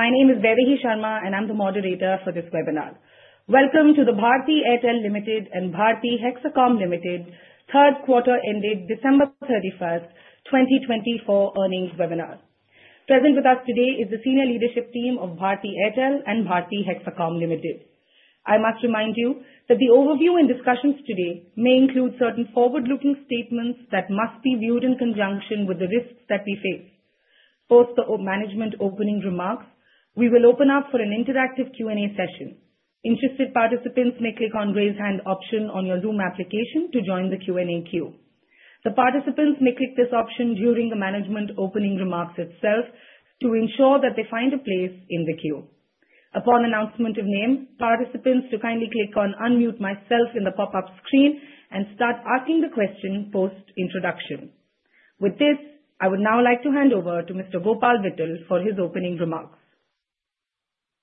My name is Bharti Sharma, and I'm the moderator for this webinar. Welcome to the Bharti Airtel Limited and Bharti Hexacom Limited 3rd Quarter Ended December 31, 2024 earnings webinar. Present with us today is the senior leadership team of Bharti Airtel and Bharti Hexacom Limited. I must remind you that the overview and discussions today may include certain forward-looking statements that must be viewed in conjunction with the risks that we face. Post the management opening remarks, we will open up for an interactive Q&A session. Interested participants may click on the raise hand option on your Zoom application to join the Q&A queue. The participants may click this option during the management opening remarks itself to ensure that they find a place in the queue. Upon announcement of name, participants do kindly click on unmute myself in the pop-up screen and start asking the question post-introduction. With this, I would now like to hand over to Mr. Gopal Vittal for his opening remarks.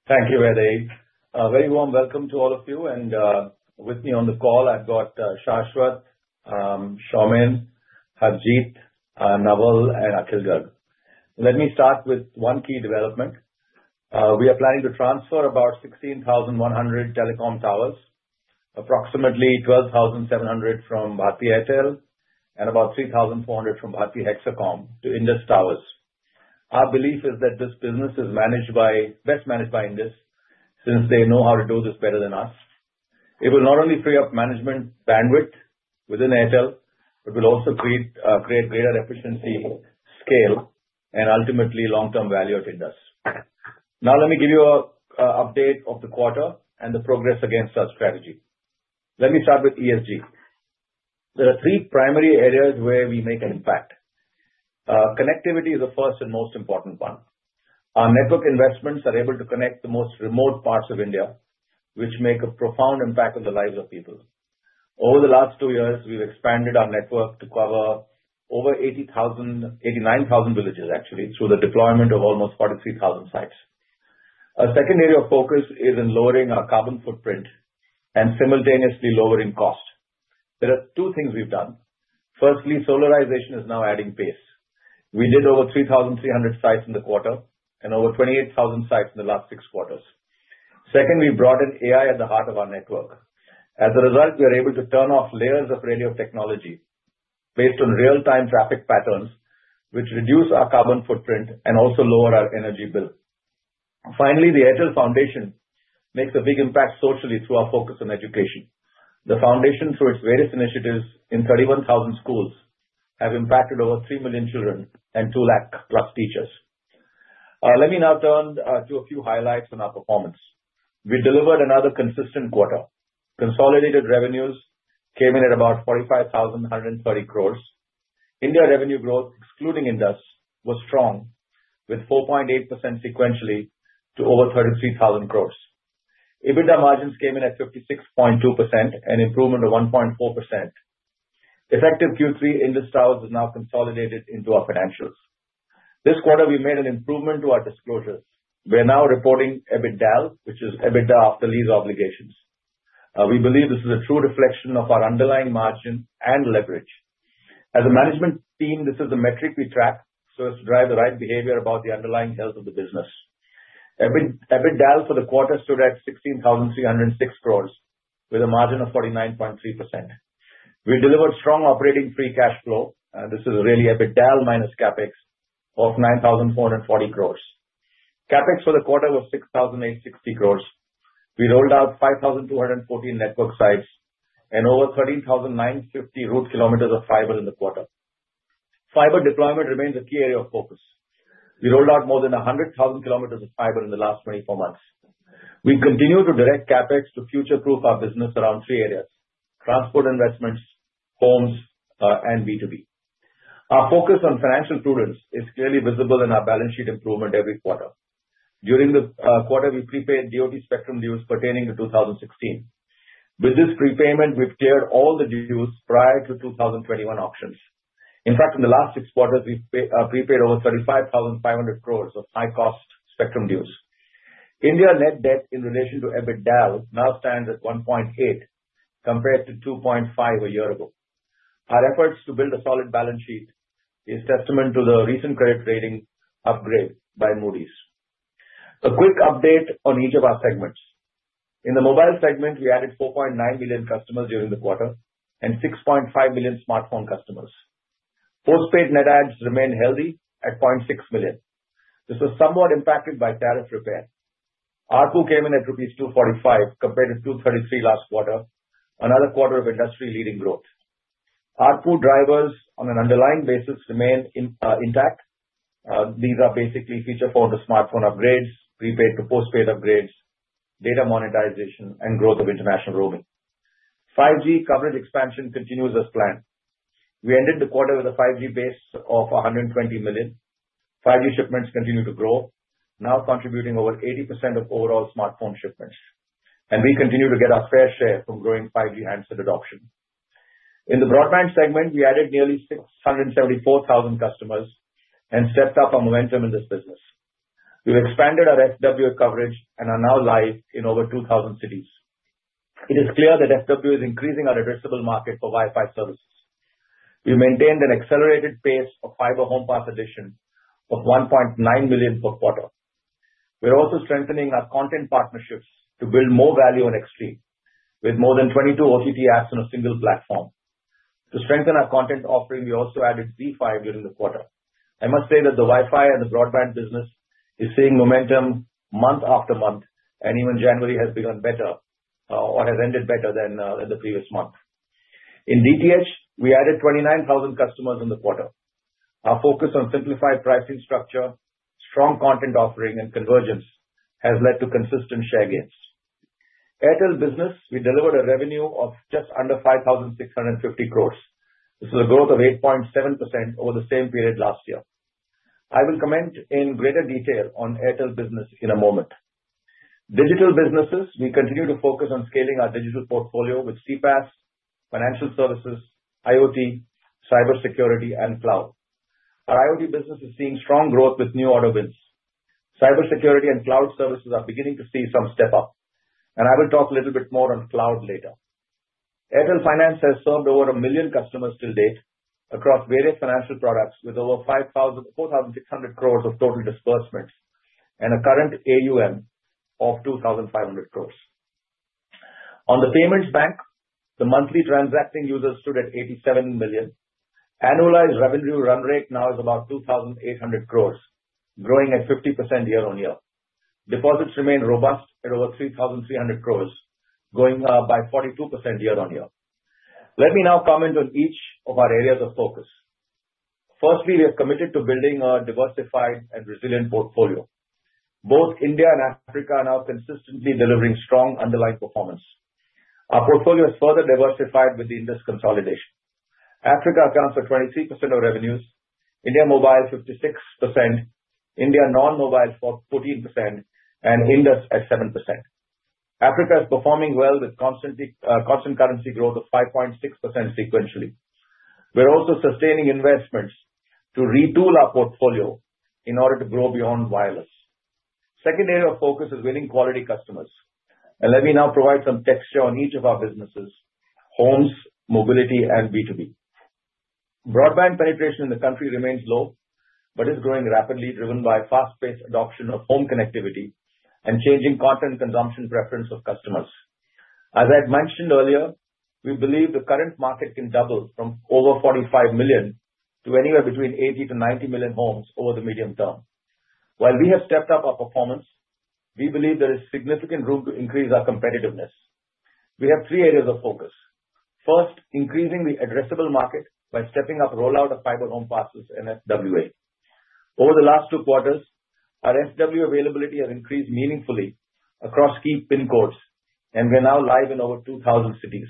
Thank you, Bharti. A very warm welcome to all of you, and with me on the call, I've got Shashwat, Soumen, Harjeet, Naval, and Akhil Garg. Let me start with one key development. We are planning to transfer about 16,100 telecom towers, approximately 12,700 from Bharti Airtel and about 3,400 from Bharti Hexacom to Indus Towers. Our belief is that this business is best managed by Indus since they know how to do this better than us. It will not only free up management bandwidth within Airtel, but will also create greater efficiency, scale, and ultimately long-term value at Indus. Now, let me give you an update of the quarter and the progress against our strategy. Let me start with ESG. There are three primary areas where we make an impact. Connectivity is the first and most important one. Our network investments are able to connect the most remote parts of India, which make a profound impact on the lives of people. Over the last two years, we've expanded our network to cover over 89,000 villages, actually, through the deployment of almost 43,000 sites. Our second area of focus is in lowering our carbon footprint and simultaneously lowering cost. There are two things we've done. Firstly, solarization is now gaining pace. We did over 3,300 sites in the quarter and over 28,000 sites in the last six quarters. Second, we brought in AI at the heart of our network. As a result, we are able to turn off layers of radio technology based on real-time traffic patterns, which reduce our carbon footprint and also lower our energy bill. Finally, the Airtel Foundation makes a big impact socially through our focus on education. The foundation, through its various initiatives in 31,000 schools, has impacted over 3 million children and 2 lakh plus teachers. Let me now turn to a few highlights on our performance. We delivered another consistent quarter. Consolidated revenues came in at about 45,130 crores. India revenue growth, excluding Indus, was strong, with 4.8% sequentially to over 33,000 crores. EBITDA margins came in at 56.2%, an improvement of 1.4%. Effective Q3, Indus Towers is now consolidated into our financials. This quarter, we made an improvement to our disclosures. We are now reporting EBITDAL, which is EBITDA after lease obligations. We believe this is a true reflection of our underlying margin and leverage. As a management team, this is the metric we track so as to drive the right behavior about the underlying health of the business. EBITDAL for the quarter stood at 16,306 crores, with a margin of 49.3%. We delivered strong operating free cash flow. This is really EBITDAL minus CapEx of 9,440 crores. CapEx for the quarter was 6,860 crores. We rolled out 5,214 network sites and over 13,950 route kilometers of fiber in the quarter. Fiber deployment remains a key area of focus. We rolled out more than 100,000 kilometers of fiber in the last 24 months. We continue to direct CapEx to future-proof our business around three areas: transport investments, homes, and B2B. Our focus on financial prudence is clearly visible in our balance sheet improvement every quarter. During the quarter, we prepaid DoT spectrum dues pertaining to 2016. With this prepayment, we've cleared all the dues prior to 2021 auctions. In fact, in the last six quarters, we've prepaid over 35,500 crores of high-cost spectrum dues. India net debt in relation to EBITDAL now stands at 1.8 compared to 2.5 a year ago. Our efforts to build a solid balance sheet are a testament to the recent credit rating upgrade by Moody's. A quick update on each of our segments. In the mobile segment, we added 4.9 million customers during the quarter and 6.5 million smartphone customers. Postpaid net adds remained healthy at 0.6 million. This was somewhat impacted by tariff repair. ARPU came in at rupees 245 compared to 233 last quarter, another quarter of industry-leading growth. ARPU drivers on an underlying basis remain intact. These are basically feature for the smartphone upgrades, prepaid to postpaid upgrades, data monetization, and growth of international roaming. 5G coverage expansion continues as planned. We ended the quarter with a 5G base of 120 million. 5G shipments continue to grow, now contributing over 80% of overall smartphone shipments. And we continue to get our fair share from growing 5G handset adoption. In the broadband segment, we added nearly 674,000 customers and stepped up our momentum in this business. We've expanded our FWA coverage and are now live in over 2,000 cities. It is clear that FWA is increasing our addressable market for Wi-Fi services. We maintained an accelerated pace of fiber home pass addition of 1.9 million per quarter. We're also strengthening our content partnerships to build more value on Xstream, with more than 22 OTT apps on a single platform. To strengthen our content offering, we also added ZEE5 during the quarter. I must say that the Wi-Fi and the broadband business are seeing momentum month after month, and even January has begun better or has ended better than the previous month. In DTH, we added 29,000 customers in the quarter. Our focus on simplified pricing structure, strong content offering, and convergence has led to consistent share gains. Airtel Business, we delivered a revenue of just under 5,650 crores. This is a growth of 8.7% over the same period last year. I will comment in greater detail on Airtel Business in a moment. Digital businesses, we continue to focus on scaling our digital portfolio with CPaaS, financial services, IoT, cybersecurity, and cloud. Our IoT business is seeing strong growth with new order wins. Cybersecurity and cloud services are beginning to see some step-up. I will talk a little bit more on cloud later. Airtel Finance has served over a million customers till date across various financial products with over 4,600 crores of total disbursements and a current AUM of 2,500 crores. On the payments bank, the monthly transacting users stood at 87 million. Annualized revenue run rate now is about 2,800 crores, growing at 50% year-on-year. Deposits remain robust at over 3,300 crores, going up by 42% year-on-year. Let me now comment on each of our areas of focus. Firstly, we have committed to building a diversified and resilient portfolio. Both India and Africa are now consistently delivering strong underlying performance. Our portfolio is further diversified with the Indus consolidation. Africa accounts for 23% of revenues, India mobile 56%, India non-mobile for 14%, and Indus at 7%. Africa is performing well with constant currency growth of 5.6% sequentially. We're also sustaining investments to retool our portfolio in order to grow beyond wireless. Second area of focus is winning quality customers, and let me now provide some texture on each of our businesses: homes, mobility, and B2B. Broadband penetration in the country remains low but is growing rapidly, driven by fast-paced adoption of home connectivity and changing content consumption preferences of customers. As I had mentioned earlier, we believe the current market can double from over 45 million to anywhere between 80-90 million homes over the medium term. While we have stepped up our performance, we believe there is significant room to increase our competitiveness. We have three areas of focus. First, increasing the addressable market by stepping up rollout of fiber home passes in FWA. Over the last two quarters, our FWA availability has increased meaningfully across key PIN codes, and we're now live in over 2,000 cities.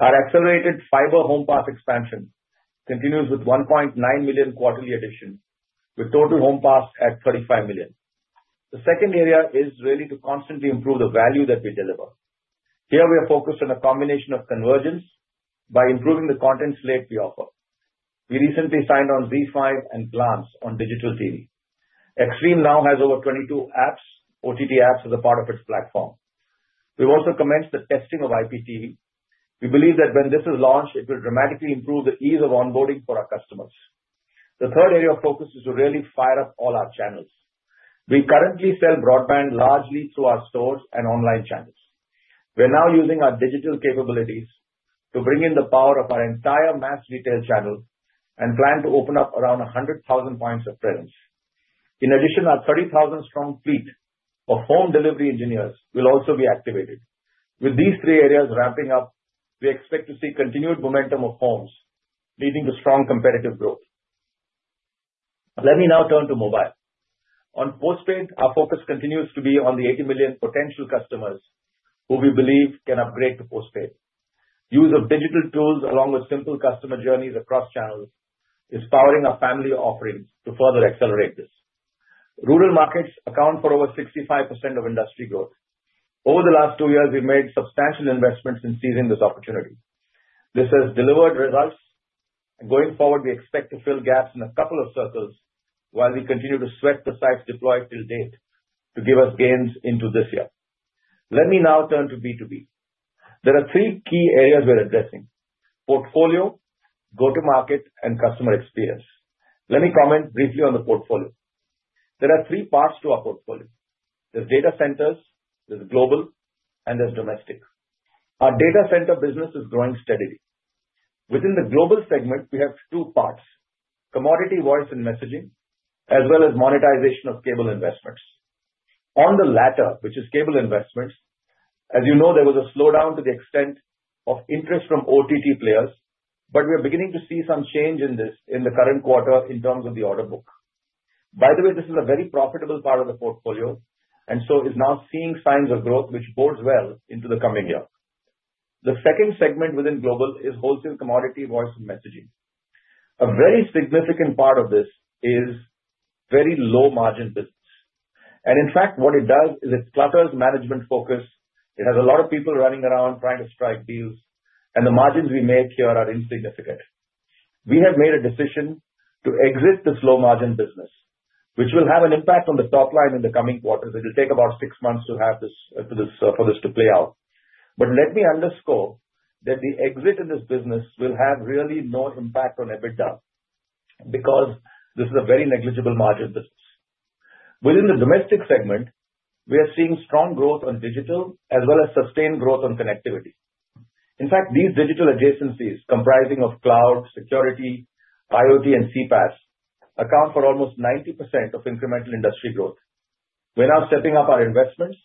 Our accelerated fiber home pass expansion continues with 1.9 million quarterly addition, with total home pass at 35 million. The second area is really to constantly improve the value that we deliver. Here, we are focused on a combination of convergence by improving the content slate we offer. We recently signed on ZEE5 and Glance on digital TV. Xstream now has over 22 apps. OTT apps are a part of its platform. We've also commenced the testing of IPTV. We believe that when this is launched, it will dramatically improve the ease of onboarding for our customers. The third area of focus is to really fire up all our channels. We currently sell broadband largely through our stores and online channels. We're now using our digital capabilities to bring in the power of our entire mass retail channel and plan to open up around 100,000 points of presence. In addition, our 30,000-strong fleet of home delivery engineers will also be activated. With these three areas ramping up, we expect to see continued momentum of homes leading to strong competitive growth. Let me now turn to mobile. On postpaid, our focus continues to be on the 80 million potential customers who we believe can upgrade to postpaid. Use of digital tools along with simple customer journeys across channels is powering our family offerings to further accelerate this. Rural markets account for over 65% of industry growth. Over the last two years, we've made substantial investments in seizing this opportunity. This has delivered results. Going forward, we expect to fill gaps in a couple of circles while we continue to sweat the sites deployed till date to give us gains into this year. Let me now turn to B2B. There are three key areas we're addressing: portfolio, go-to-market, and customer experience. Let me comment briefly on the portfolio. There are three parts to our portfolio. There's data centers, there's global, and there's domestic. Our data center business is growing steadily. Within the global segment, we have two parts: commodity voice and messaging, as well as monetization of cable investments. On the latter, which is cable investments, as you know, there was a slowdown to the extent of interest from OTT players, but we are beginning to see some change in this in the current quarter in terms of the order book. By the way, this is a very profitable part of the portfolio and so is now seeing signs of growth, which bodes well into the coming year. The second segment within global is wholesale commodity voice and messaging. A very significant part of this is very low-margin business, and in fact, what it does is it clutters management focus. It has a lot of people running around trying to strike deals, and the margins we make here are insignificant. We have made a decision to exit this low-margin business, which will have an impact on the top line in the coming quarters. It will take about six months for this to play out. But let me underscore that the exit in this business will have really no impact on EBITDA because this is a very negligible margin business. Within the domestic segment, we are seeing strong growth on digital as well as sustained growth on connectivity. In fact, these digital adjacencies comprising of cloud, security, IoT, and CPaaS account for almost 90% of incremental industry growth. We're now stepping up our investments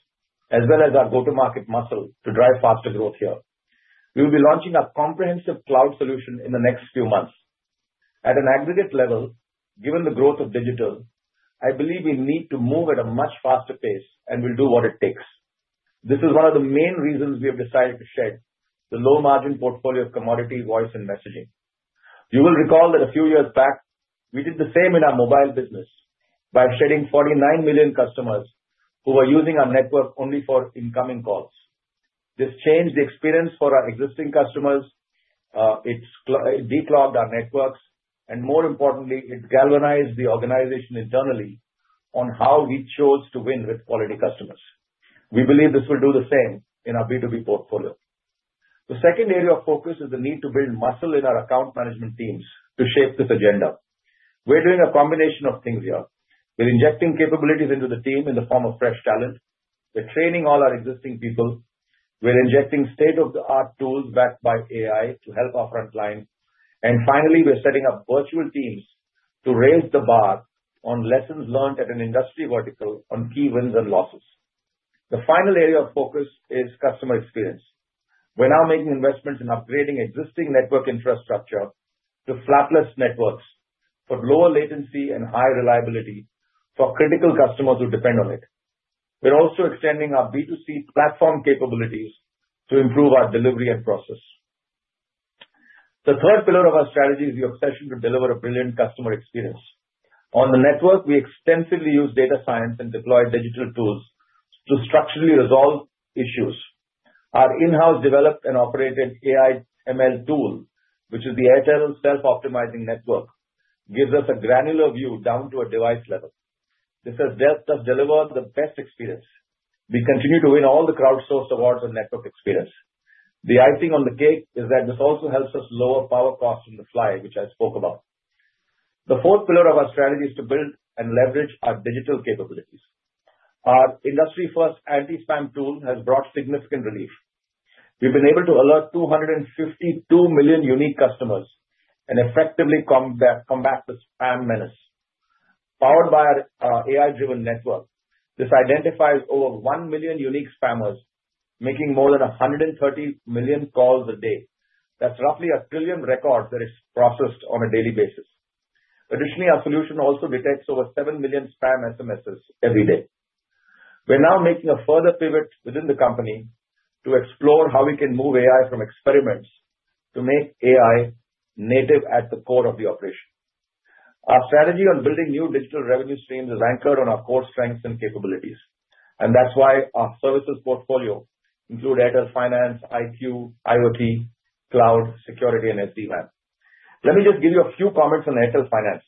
as well as our go-to-market muscle to drive faster growth here. We will be launching a comprehensive cloud solution in the next few months. At an aggregate level, given the growth of digital, I believe we need to move at a much faster pace and will do what it takes. This is one of the main reasons we have decided to shed the low-margin portfolio of commodity voice and messaging. You will recall that a few years back, we did the same in our mobile business by shedding 49 million customers who were using our network only for incoming calls. This changed the experience for our existing customers. It declogged our networks, and more importantly, it galvanized the organization internally on how we chose to win with quality customers. We believe this will do the same in our B2B portfolio. The second area of focus is the need to build muscle in our account management teams to shape this agenda. We're doing a combination of things here. We're injecting capabilities into the team in the form of fresh talent. We're training all our existing people. We're injecting state-of-the-art tools backed by AI to help our frontline. And finally, we're setting up virtual teams to raise the bar on lessons learned at an industry vertical on key wins and losses. The final area of focus is customer experience. We're now making investments in upgrading existing network infrastructure to flapless networks for lower latency and high reliability for critical customers who depend on it. We're also extending our B2C platform capabilities to improve our delivery and process. The third pillar of our strategy is the obsession to deliver a brilliant customer experience. On the network, we extensively use data science and deploy digital tools to structurally resolve issues. Our in-house developed and operated AI/ML tool, which is the Airtel Self-Optimizing Network, gives us a granular view down to a device level. This has helped us deliver the best experience. We continue to win all the crowd-sourced awards on network experience. The icing on the cake is that this also helps us lower power costs on the fly, which I spoke about. The fourth pillar of our strategy is to build and leverage our digital capabilities. Our industry-first anti-spam tool has brought significant relief. We've been able to alert 252 million unique customers and effectively combat the spam menace. Powered by our AI-driven network, this identifies over 1 million unique spammers, making more than 130 million calls a day. That's roughly a trillion records that are processed on a daily basis. Additionally, our solution also detects over 7 million spam SMSs every day. We're now making a further pivot within the company to explore how we can move AI from experiments to make AI native at the core of the operation. Our strategy on building new digital revenue streams is anchored on our core strengths and capabilities, and that's why our services portfolio includes Airtel Finance, IQ, IoT, cloud, security, and SD-WAN. Let me just give you a few comments on Airtel Finance.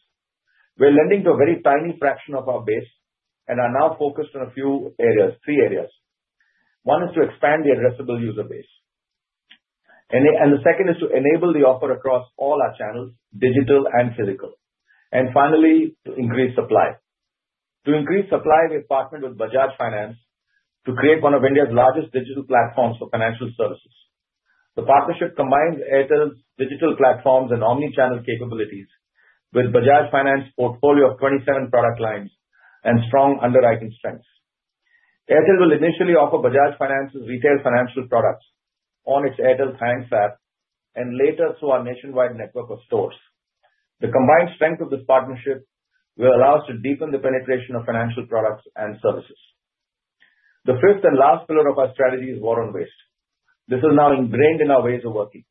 We're lending to a very tiny fraction of our base and are now focused on a few areas, three areas. One is to expand the addressable user base, and the second is to enable the offer across all our channels, digital and physical, and finally, to increase supply. To increase supply, we've partnered with Bajaj Finance to create one of India's largest digital platforms for financial services. The partnership combines Airtel's digital platforms and omnichannel capabilities with Bajaj Finance's portfolio of 27 product lines and strong underwriting strengths. Airtel will initially offer Bajaj Finance's retail financial products on its Airtel Finance app and later through our nationwide network of stores. The combined strength of this partnership will allow us to deepen the penetration of financial products and services. The fifth and last pillar of our strategy is war on waste. This is now ingrained in our ways of working.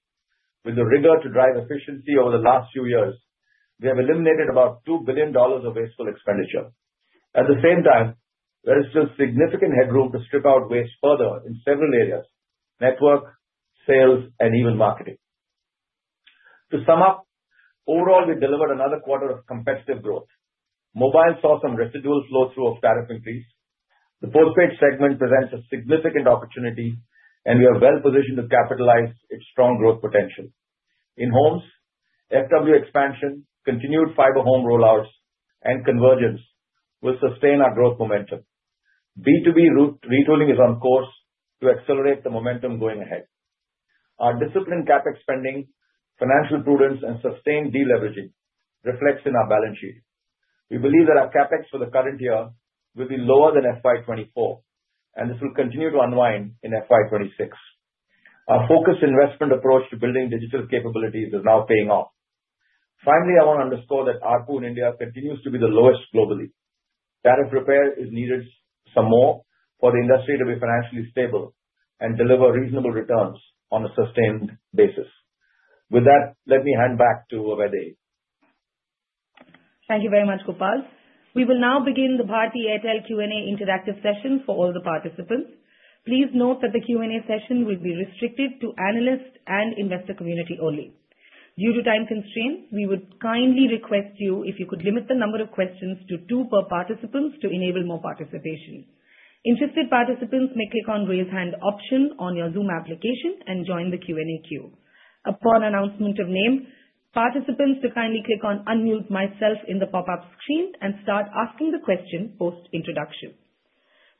With the rigor to drive efficiency over the last few years, we have eliminated about $2 billion of wasteful expenditure. At the same time, there is still significant headroom to strip out waste further in several areas: network, sales, and even marketing. To sum up, overall, we delivered another quarter of competitive growth. Mobile saw some residual flow-through of tariff increase. The postpaid segment presents a significant opportunity, and we are well-positioned to capitalize its strong growth potential. In homes, FWA expansion, continued fiber home rollouts, and convergence will sustain our growth momentum. B2B retooling is on course to accelerate the momentum going ahead. Our disciplined CapEx spending, financial prudence, and sustained deleveraging reflect in our balance sheet. We believe that our CapEx for the current year will be lower than FY24, and this will continue to unwind in FY26. Our focused investment approach to building digital capabilities is now paying off. Finally, I want to underscore that ARPU in India continues to be the lowest globally. Tariff repair is needed some more for the industry to be financially stable and deliver reasonable returns on a sustained basis. With that, let me hand back to Naval. Thank you very much, Gopal. We will now begin the Bharti Airtel Q&A interactive session for all the participants. Please note that the Q&A session will be restricted to analysts and investor community only. Due to time constraints, we would kindly request you if you could limit the number of questions to two per participant to enable more participation. Interested participants may click on the raise hand option on your Zoom application and join the Q&A queue. Upon announcement of name, participants should kindly click on "Unmute myself" in the pop-up screen and start asking the question post-introduction.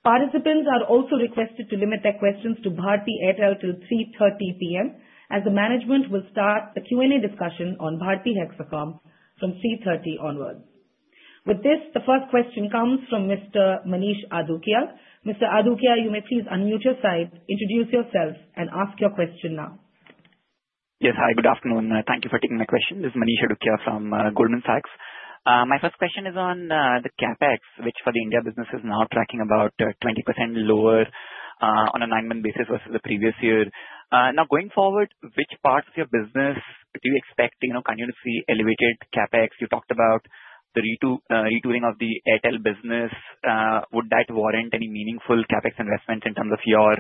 Participants are also requested to limit their questions to Bharti Airtel till 3:30 P.M., as the management will start the Q&A discussion on Bharti Hexacom from 3:30 P.M. onwards. With this, the first question comes from Mr. Manish Adukia. Mr. Adukia, you may please unmute your side, introduce yourself, and ask your question now. Yes, hi. Good afternoon. Thank you for taking my question. This is Manish Adukia from Goldman Sachs. My first question is on the CapEx, which for the India business is now tracking about 20% lower on a nine-month basis versus the previous year. Now, going forward, which parts of your business do you expect continuously elevated CapEx? You talked about the retooling of the Airtel business. Would that warrant any meaningful CapEx investments in terms of your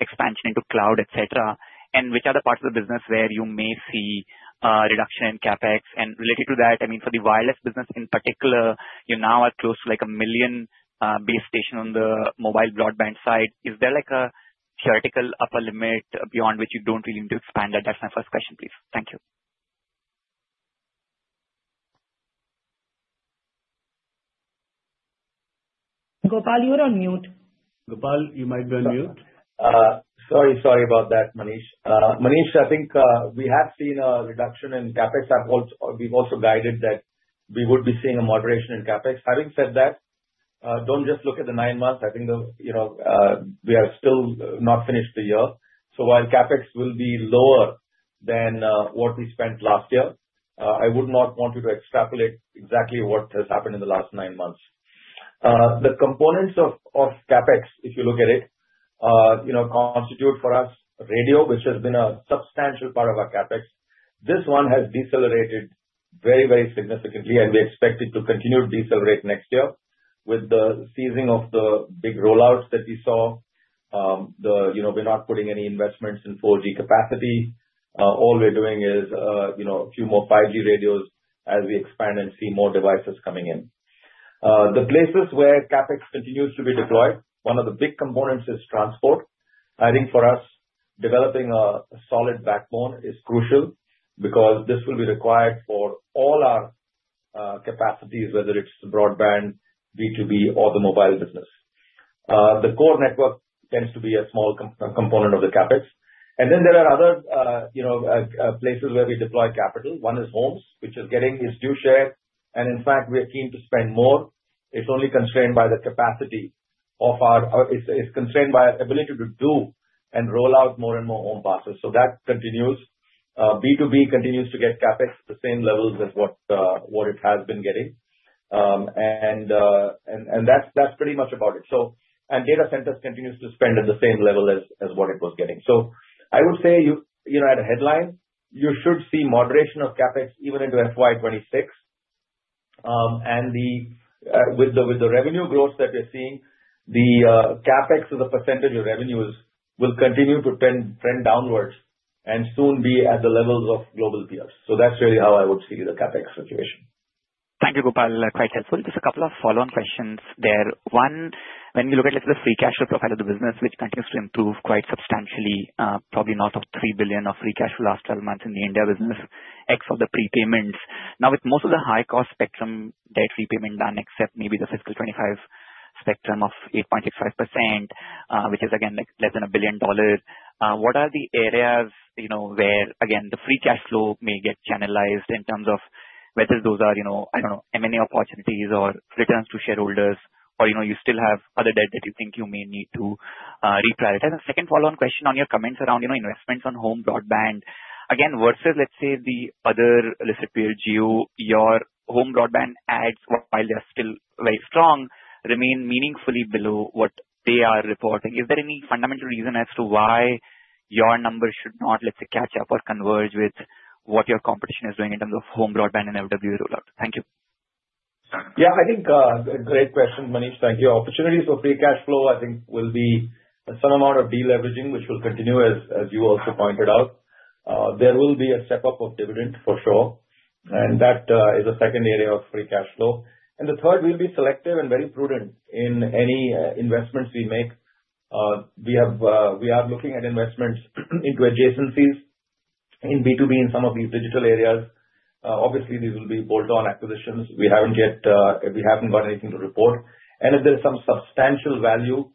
expansion into cloud, etc.? And which are the parts of the business where you may see a reduction in CapEx? And related to that, I mean, for the wireless business in particular, you now are close to like a million base stations on the mobile broadband side. Is there like a theoretical upper limit beyond which you don't really need to expand that? That's my first question, please. Thank you. Gopal, you're on mute. Gopal, you might be on mute. Sorry, sorry about that, Manish. Manish, I think we have seen a reduction in CapEx. We've also guided that we would be seeing a moderation in CapEx. Having said that, don't just look at the nine months. I think we are still not finished the year. So while CapEx will be lower than what we spent last year, I would not want you to extrapolate exactly what has happened in the last nine months. The components of CapEx, if you look at it, constitute for us radio, which has been a substantial part of our CapEx. This one has decelerated very, very significantly, and we expect it to continue to decelerate next year with the ceasing of the big rollouts that we saw. We're not putting any investments in 4G capacity. All we're doing is a few more 5G radios as we expand and see more devices coming in. The places where CapEx continues to be deployed, one of the big components is transport. I think for us, developing a solid backbone is crucial because this will be required for all our capacities, whether it's the broadband, B2B, or the mobile business. The core network tends to be a small component of the CapEx. And then there are other places where we deploy capital. One is homes, which is getting its due share. And in fact, we are keen to spend more. It's only constrained by our ability to do and roll out more and more home passes. So that continues. B2B continues to get CapEx at the same levels as what it has been getting. And that's pretty much about it. And data centers continue to spend at the same level as what it was getting. So I would say at a headline, you should see moderation of CapEx even into FY26. And with the revenue growth that we're seeing, the CapEx as a percentage of revenues will continue to trend downwards and soon be at the levels of global peers. So that's really how I would see the CapEx situation. Thank you, Gopal. Quite helpful. Just a couple of follow-on questions there. One, when we look at the free cash flow profile of the business, which continues to improve quite substantially, probably north of $3 billion of free cash flow last 12 months in the India business, ex the prepayments. Now, with most of the high-cost spectrum debt repayment done, except maybe the fiscal 2025 spectrum of 8.65%, which is again less than $1 billion, what are the areas where, again, the free cash flow may get channelized in terms of whether those are, I don't know, M&A opportunities or returns to shareholders, or you still have other debt that you think you may need to reprioritize? And second follow-on question on your comments around investments on home broadband. Again, versus, let's say, the other listed.peer, Jio, your home broadband adds, while they're still very strong, remain meaningfully below what they are reporting. Is there any fundamental reason as to why your numbers should not, let's say, catch up or converge with what your competition is doing in terms of home broadband and FWA rollout? Thank you. Yeah, I think a great question, Manish. Thank you. Opportunities for free cash flow, I think, will be some amount of deleveraging, which will continue, as you also pointed out. There will be a step-up of dividend, for sure. And that is a second area of free cash flow. And the third, we'll be selective and very prudent in any investments we make. We are looking at investments into adjacencies in B2B in some of these digital areas. Obviously, these will be bolt-on acquisitions. We haven't got anything to report. And if there's some substantial value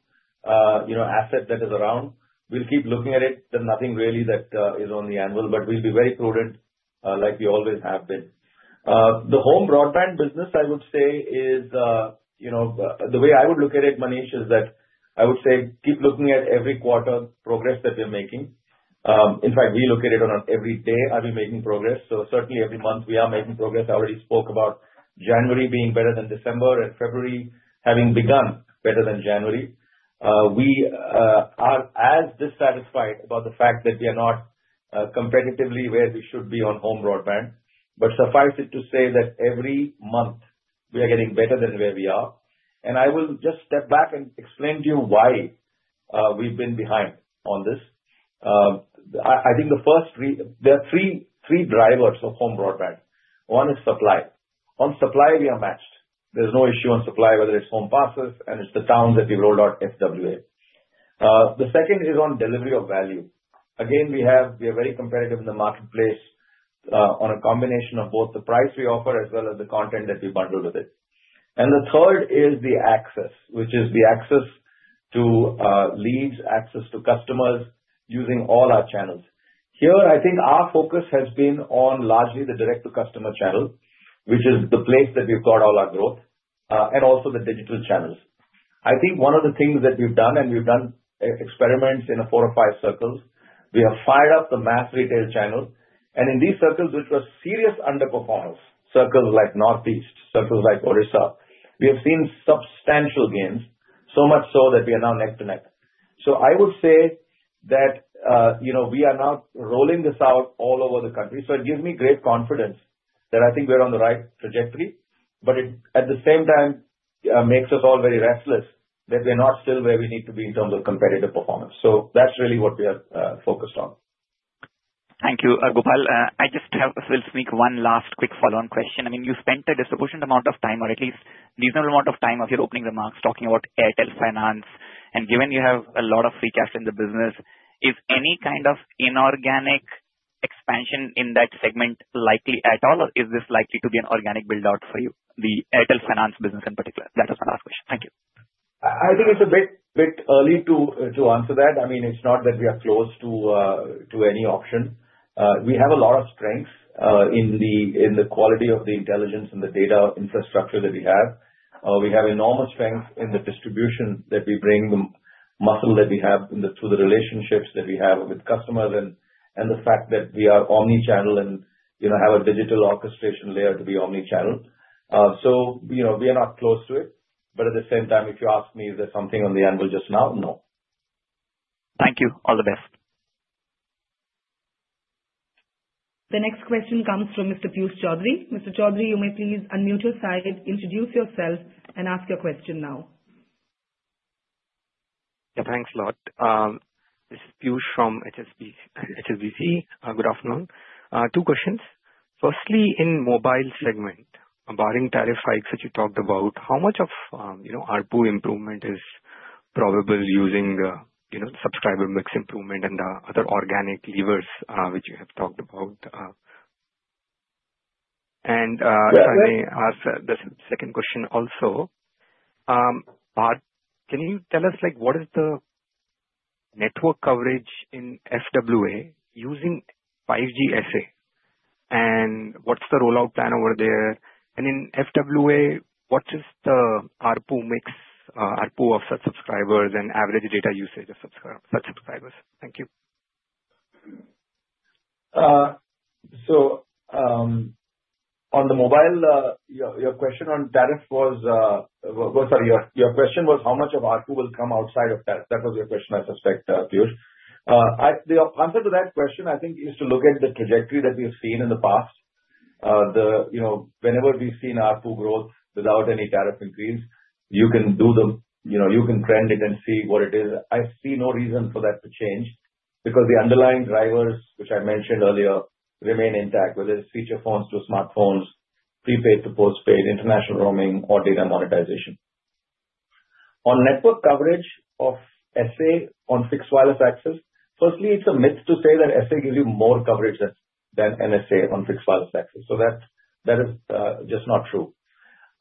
asset that is around, we'll keep looking at it. There's nothing really that is on the anvil, but we'll be very prudent like we always have been. The home broadband business, I would say, is the way I would look at it, Manish, is that I would say keep looking at every quarter progress that we're making. In fact, we look at it on every day, are we making progress? So certainly, every month, we are making progress. I already spoke about January being better than December and February having begun better than January. We are as dissatisfied about the fact that we are not competitively where we should be on home broadband. But suffice it to say that every month, we are getting better than where we are. I will just step back and explain to you why we've been behind on this. I think the first, there are three drivers of home broadband. One is supply. On supply, we are matched. There's no issue on supply, whether it's home passes, and it's the towns that we've rolled out FWA. The second is on delivery of value. Again, we are very competitive in the marketplace on a combination of both the price we offer as well as the content that we bundle with it. The third is the access, which is the access to leads, access to customers using all our channels. Here, I think our focus has been on largely the direct-to-customer channel, which is the place that we've got all our growth, and also the digital channels. I think one of the things that we've done, and we've done experiments in four or five circles, we have fired up the mass retail channel, and in these circles, which were serious underperformance, circles like Northeast, circles like Orissa, we have seen substantial gains, so much so that we are now neck to neck, so I would say that we are now rolling this out all over the country, so it gives me great confidence that I think we're on the right trajectory, but at the same time, it makes us all very restless that we're not still where we need to be in terms of competitive performance, so that's really what we are focused on. Thank you, Gopal. I just will sneak one last quick follow-on question. I mean, you spent a disproportionate amount of time, or at least a reasonable amount of time, of your opening remarks talking about Airtel Finance. And given you have a lot of free cash in the business, is any kind of inorganic expansion in that segment likely at all, or is this likely to be an organic build-out for you, the Airtel Finance business in particular? That was my last question. Thank you. I think it's a bit early to answer that. I mean, it's not that we are close to any option. We have a lot of strength in the quality of the intelligence and the data infrastructure that we have. We have enormous strength in the distribution that we bring, the muscle that we have through the relationships that we have with customers, and the fact that we are omnichannel and have a digital orchestration layer to be omnichannel. So we are not close to it. But at the same time, if you ask me if there's something on the anvil just now, no. Thank you. All the best. The next question comes from Mr. Piyush Choudhary. Mr. Choudhary, you may please unmute your side, introduce yourself, and ask your question now. Yeah, thanks a lot. This is Piyush from HSBC. Good afternoon. Two questions. Firstly, in mobile segment, barring tariff hikes that you talked about, how much of ARPU improvement is probable using subscriber mix improvement and the other organic levers which you have talked about? If I may ask the second question also, Bharti, can you tell us what is the network coverage in FWA using 5G SA? And what's the rollout plan over there? And in FWA, what is the ARPU mix of subscribers and average data usage of subscribers? Thank you. On the mobile, your question on tariff was, sorry, your question was how much of ARPU will come outside of tariff? That was your question, I suspect, Piyush. The answer to that question, I think, is to look at the trajectory that we've seen in the past. Whenever we've seen ARPU growth without any tariff increase, you can trend it and see what it is. I see no reason for that to change because the underlying drivers, which I mentioned earlier, remain intact, whether it's feature phones to smartphones, prepaid to postpaid, international roaming, or data monetization. On network coverage of SA on fixed wireless access, firstly, it's a myth to say that SA gives you more coverage than NSA on fixed wireless access. So that is just not true.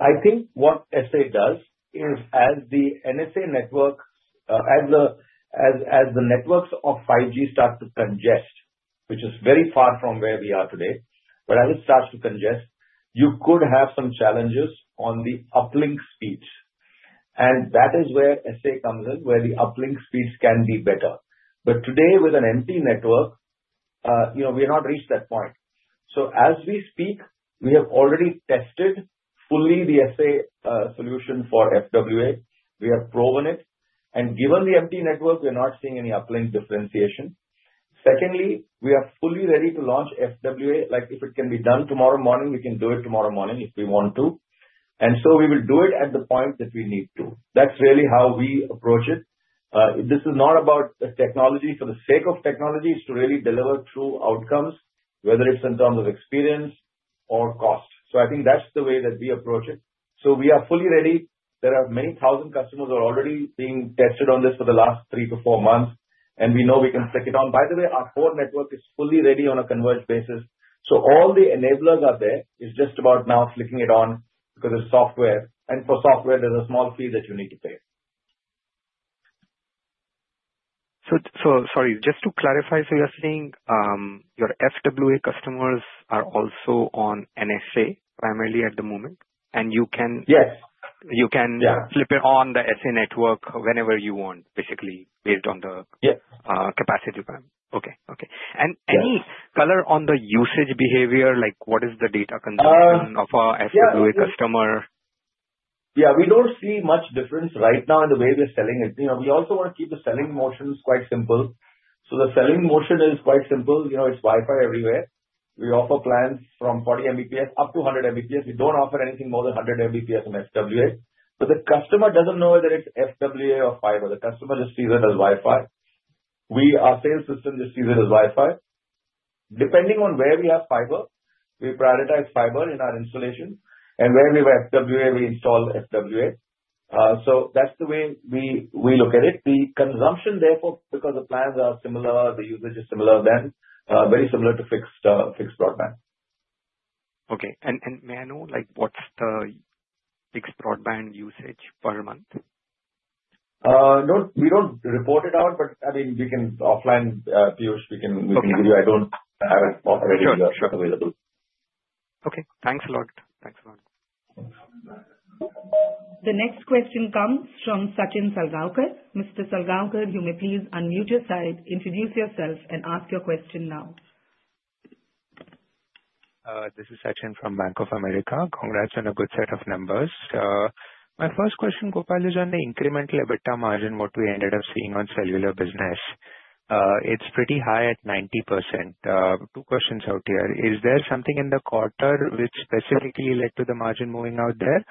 I think what SA does is, as the networks of 5G start to congest. Which is very far from where we are today. But as it starts to congest, you could have some challenges on the uplink speeds. And that is where SA comes in, where the uplink speeds can be better. But today, with an empty network, we have not reached that point. So as we speak, we have already tested fully the SA solution for FWA. We have proven it, and given the empty network, we are not seeing any uplink differentiation. Secondly, we are fully ready to launch FWA. If it can be done tomorrow morning, we can do it tomorrow morning if we want to, and so we will do it at the point that we need to. That's really how we approach it. This is not about technology for the sake of technology. It's to really deliver true outcomes, whether it's in terms of experience or cost, so I think that's the way that we approach it, so we are fully ready. There are many thousand customers who are already being tested on this for the last three to four months, and we know we can flick it on. By the way, our core network is fully ready on a converged basis, so all the enablers are there. It's just about now flicking it on because it's software. And for software, there's a small fee that you need to pay. So sorry, just to clarify, so you're saying your FWA customers are also on NSA primarily at the moment. And you can flick it on the SA network whenever you want, basically, based on the - Yeah. capacity plan? Okay. Okay. And any color on the usage behavior? What is the data consumption of our FWA customer? Yeah, we don't see much difference right now in the way we're selling it. We also want to keep the selling motions quite simple. So the selling motion is quite simple. It's Wi-Fi everywhere. We offer plans from 40 Mbps up to 100 Mbps. We don't offer anything more than 100 Mbps on FWA. But the customer doesn't know whether it's FWA or fiber. The customer just sees it as Wi-Fi. Our sales system just sees it as Wi-Fi. Depending on where we have fiber, we prioritize fiber in our installation, and where we have FWA, we install FWA. So that's the way we look at it. The consumption, therefore, because the plans are similar, the usage is similar then, very similar to fixed broadband. Okay. And may I know what's the fixed broadband usage per month? We don't report it out, but I mean, we can offline, Piyush, we can give you. I don't have it already available. Okay. Thanks a lot. Thanks a lot. The next question comes from Sachin Salgaonkar. Mr. Salgaonkar, you may please unmute your side, introduce yourself, and ask your question now. This is Sachin from Bank of America. Congrats on a good set of numbers. My first question, Gopal, is on the incremental EBITDA margin, what we ended up seeing on cellular business. It's pretty high at 90%. Two questions out here. Is there something in the quarter which specifically led to the margin moving out there,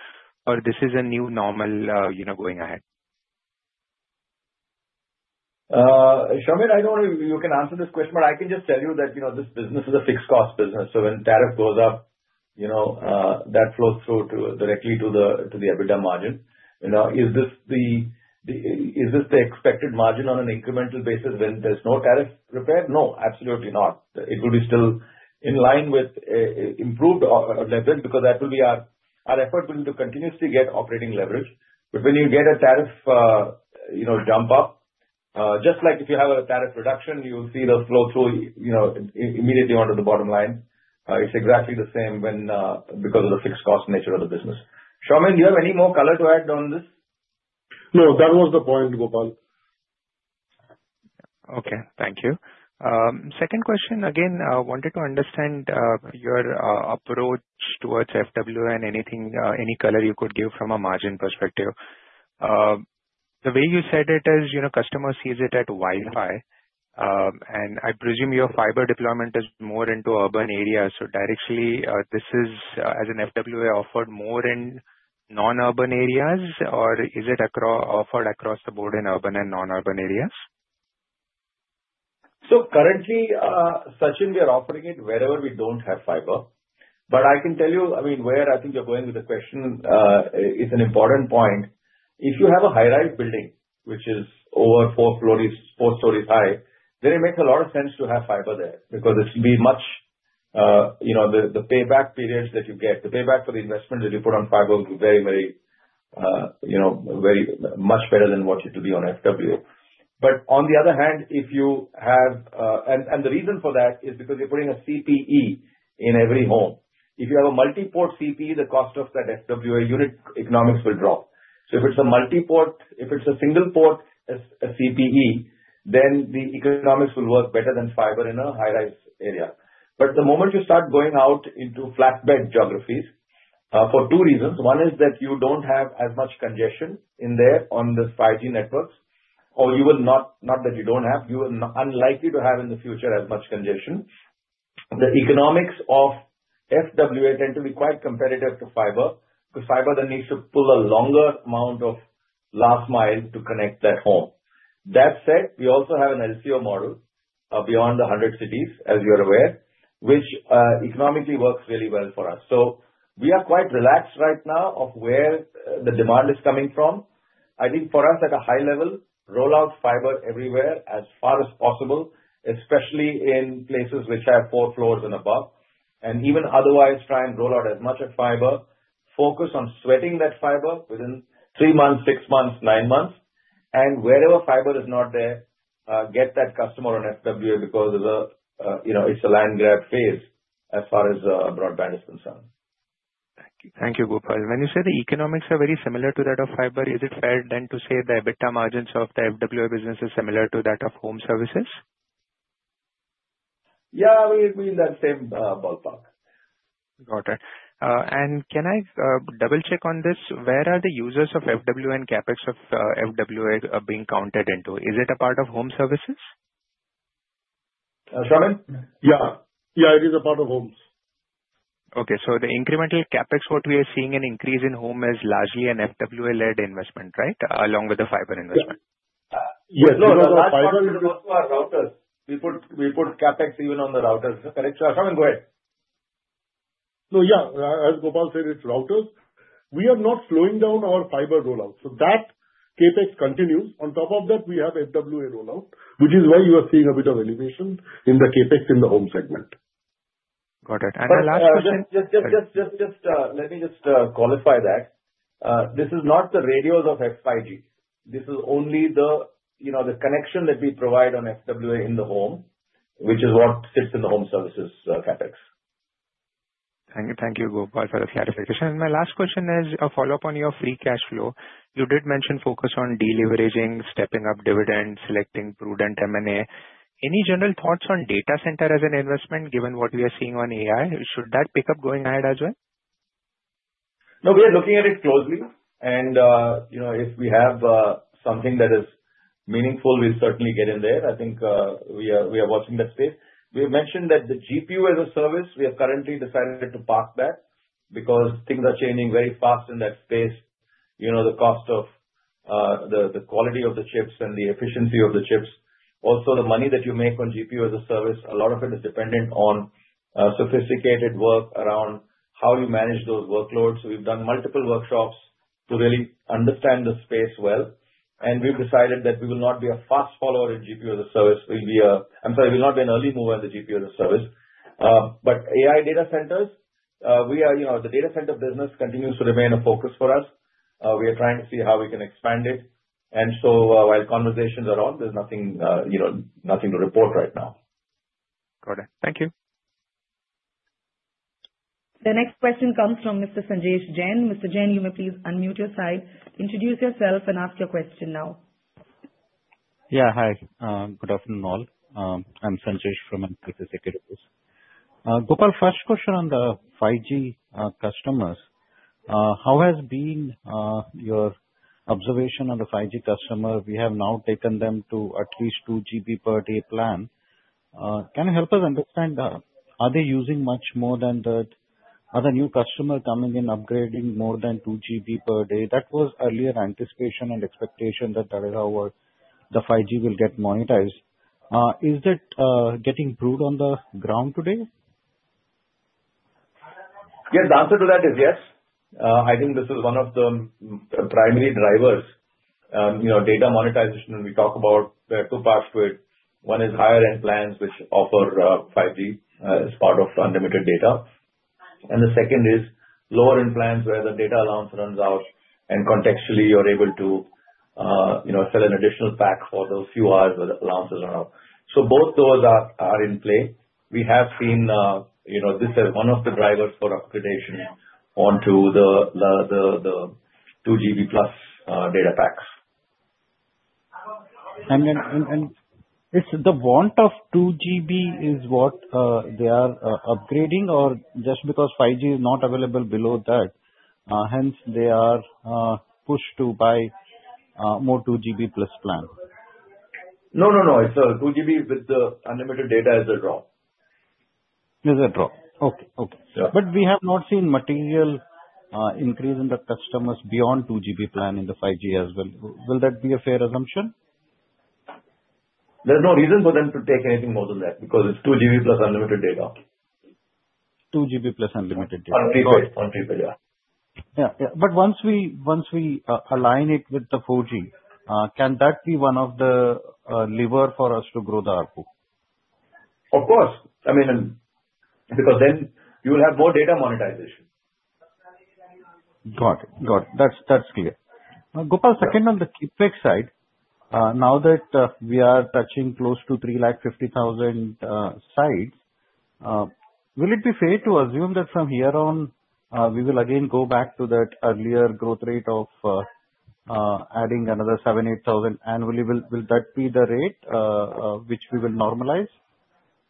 or this is a new normal going ahead? Soumen, I don't know if you can answer this question, but I can just tell you that this business is a fixed-cost business. So when tariff goes up, that flows directly to the EBITDA margin. Is this the expected margin on an incremental basis when there's no tariff repair? No, absolutely not. It would be still in line with improved leverage because that will be our effort to continuously get operating leverage. But when you get a tariff jump up, just like if you have a tariff reduction, you'll see the flow through immediately onto the bottom line. It's exactly the same because of the fixed-cost nature of the business. Soumen, do you have any more color to add on this? No, that was the point, Gopal. Okay. Thank you. Second question, again, I wanted to understand your approach towards FWA and any color you could give from a margin perspective. The way you said it is customer sees it at Wi-Fi, and I presume your fiber deployment is more into urban areas. So directly, this is, as an FWA, offered more in non-urban areas, or is it offered across the board in urban and non-urban areas? So currently, Sachin, we are offering it wherever we don't have fiber. But I can tell you, I mean, where I think you're going with the question is an important point. If you have a high-rise building, which is over four stories high, then it makes a lot of sense to have fiber there because it should be much the payback periods that you get, the payback for the investment that you put on fiber will be very, very much better than what it will be on FWA. But on the other hand, if you have and the reason for that is because you're putting a CPE in every home. If you have a multi-port CPE, the cost of that FWA unit economics will drop. So if it's a multi-port, if it's a single-port CPE, then the economics will work better than fiber in a high-rise area. But the moment you start going out into flatbed geographies for two reasons. One is that you don't have as much congestion in there on the 5G networks, or you are unlikely to have in the future as much congestion. The economics of FWA tend to be quite competitive to fiber because fiber then needs to pull a longer amount of last mile to connect that home. That said, we also have an LCO model beyond the 100 cities, as you're aware, which economically works really well for us. So we are quite relaxed right now of where the demand is coming from. I think for us, at a high level, roll out fiber everywhere as far as possible, especially in places which have four floors and above, and even otherwise, try and roll out as much of fiber, focus on sweating that fiber within three months, six months, nine months. And wherever fiber is not there, get that customer on FWA because it's a land-grab phase as far as broadband is concerned. Thank you. Thank you, Gopal. When you say the economics are very similar to that of fiber, is it fair then to say the EBITDA margins of the FWA business is similar to that of home services? Yeah, I mean, in that same ballpark. Got it. And can I double-check on this? Where are the users of FWA and CapEx of FWA being counted into? Is it a part of home services? Soumen? Yeah. Yeah, it is a part of homes. Okay. So the incremental CapEx what we are seeing in increase in home is largely an FWA-led investment, right, along with the fiber investment? Yes. No, no, the fiber is also our routers. We put CapEx even on the routers. Correct? Soumen, go ahead. No, yeah. As Gopal said, it's routers. We are not slowing down our fiber rollout. So that CapEx continues. On top of that, we have FWA rollout, which is why you are seeing a bit of elevation in the CapEx in the home segment. Got it. And the last question? Just let me just qualify that. This is not the radios of F5G. This is only the connection that we provide on FWA in the home, which is what sits in the home services CapEx. Thank you, Gopal, for this clarification. And my last question is a follow-up on your free cash flow. You did mention focus on deleveraging, stepping up dividends, selecting prudent M&A. Any general thoughts on data center as an investment given what we are seeing on AI? Should that pick up going ahead as well? No, we are looking at it closely. If we have something that is meaningful, we'll certainly get in there. I think we are watching that space. We have mentioned that the GPU as a service, we have currently decided to park that because things are changing very fast in that space. The cost of the quality of the chips and the efficiency of the chips. Also, the money that you make on GPU as a service, a lot of it is dependent on sophisticated work around how you manage those workloads. So we've done multiple workshops to really understand the space well. We've decided that we will not be a fast follower in GPU as a service. We'll be a. I'm sorry, we'll not be an early mover in the GPU as a service. AI data centers, we are the data center business continues to remain a focus for us. We are trying to see how we can expand it. And so while conversations are on, there's nothing to report right now. Got it. Thank you. The next question comes from Mr. Sanjesh Jain. Mr. Jain, you may please unmute your side, introduce yourself, and ask your question now. Yeah. Hi. Good afternoon, all. I'm Sanjesh Jain from ICICI Securities. Gopal, first question on the 5G customers. How has been your observation on the 5G customer? We have now taken them to at least 2 GB per day plan. Can you help us understand, are they using much more than that? Are the new customers coming in, upgrading more than 2 GB per day? That was earlier anticipation and expectation that the 5G will get monetized. Is that getting realized on the ground today? Yes. The answer to that is yes. I think this is one of the primary drivers. Data monetization, we talk about there are two parts to it. One is higher-end plans which offer 5G as part of unlimited data. And the second is lower-end plans where the data allowance runs out, and contextually, you're able to sell an additional pack for those few hours where the allowances run out. So both those are in play. We have seen this as one of the drivers for upgradation onto the 2 GB plus data packs. And the want of 2 GB is what they are upgrading, or just because 5G is not available below that, hence they are pushed to buy more 2 GB plus plan? No, no, no. It's 2 GB with the unlimited data is the draw. Is it a draw? Okay. Okay. But we have not seen material increase in the customers beyond 2 GB plan in the 5G as well. Will that be a fair assumption? There's no reason for them to take anything more than that because it's 2 GB plus unlimited data. 2 GB plus unlimited data. On prepaid. On prepaid. Yeah. Yeah. Yeah. But once we align it with the 4G, can that be one of the levers for us to grow the ARPU? Of course. I mean, because then you will have more data monetization. Got it. Got it. That's clear. Gopal, second on the CapEx side, now that we are touching close to 350,000 sites, will it be fair to assume that from here on, we will again go back to that earlier growth rate of adding another 7,000-8,000 annually? Will that be the rate which we will normalize?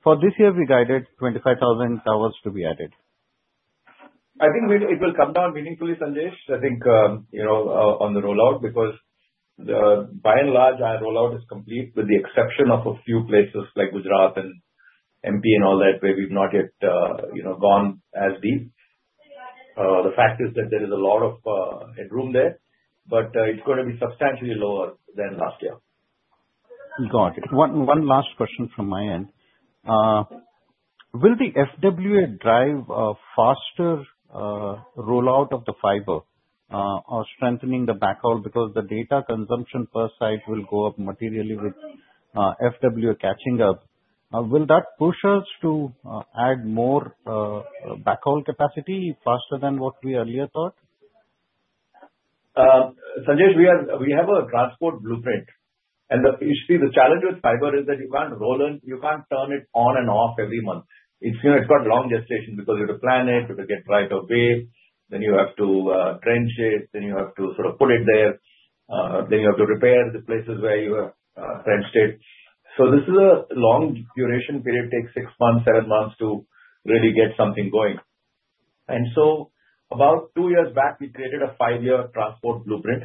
For this year, we guided 25,000 towers to be added. I think it will come down meaningfully, Sanjesh. I think on the rollout because by and large, our rollout is complete with the exception of a few places like Gujarat and MP and all that where we've not yet gone as deep. The fact is that there is a lot of room there, but it's going to be substantially lower than last year. Got it. One last question from my end. Will the FWA drive a faster rollout of the fiber or strengthening the backhaul because the data consumption per site will go up materially with FWA catching up? Will that push us to add more backhaul capacity faster than what we earlier thought? Sanjesh, we have a transport blueprint. You see, the challenge with fiber is that you can't roll it. You can't turn it on and off every month. It's got a long gestation because you have to plan it, you have to get right of way, then you have to trench it, then you have to sort of put it there, then you have to repair the places where you have trenched it. So this is a long duration period. It takes six months, seven months to really get something going, and so about two years back, we created a five-year transport blueprint,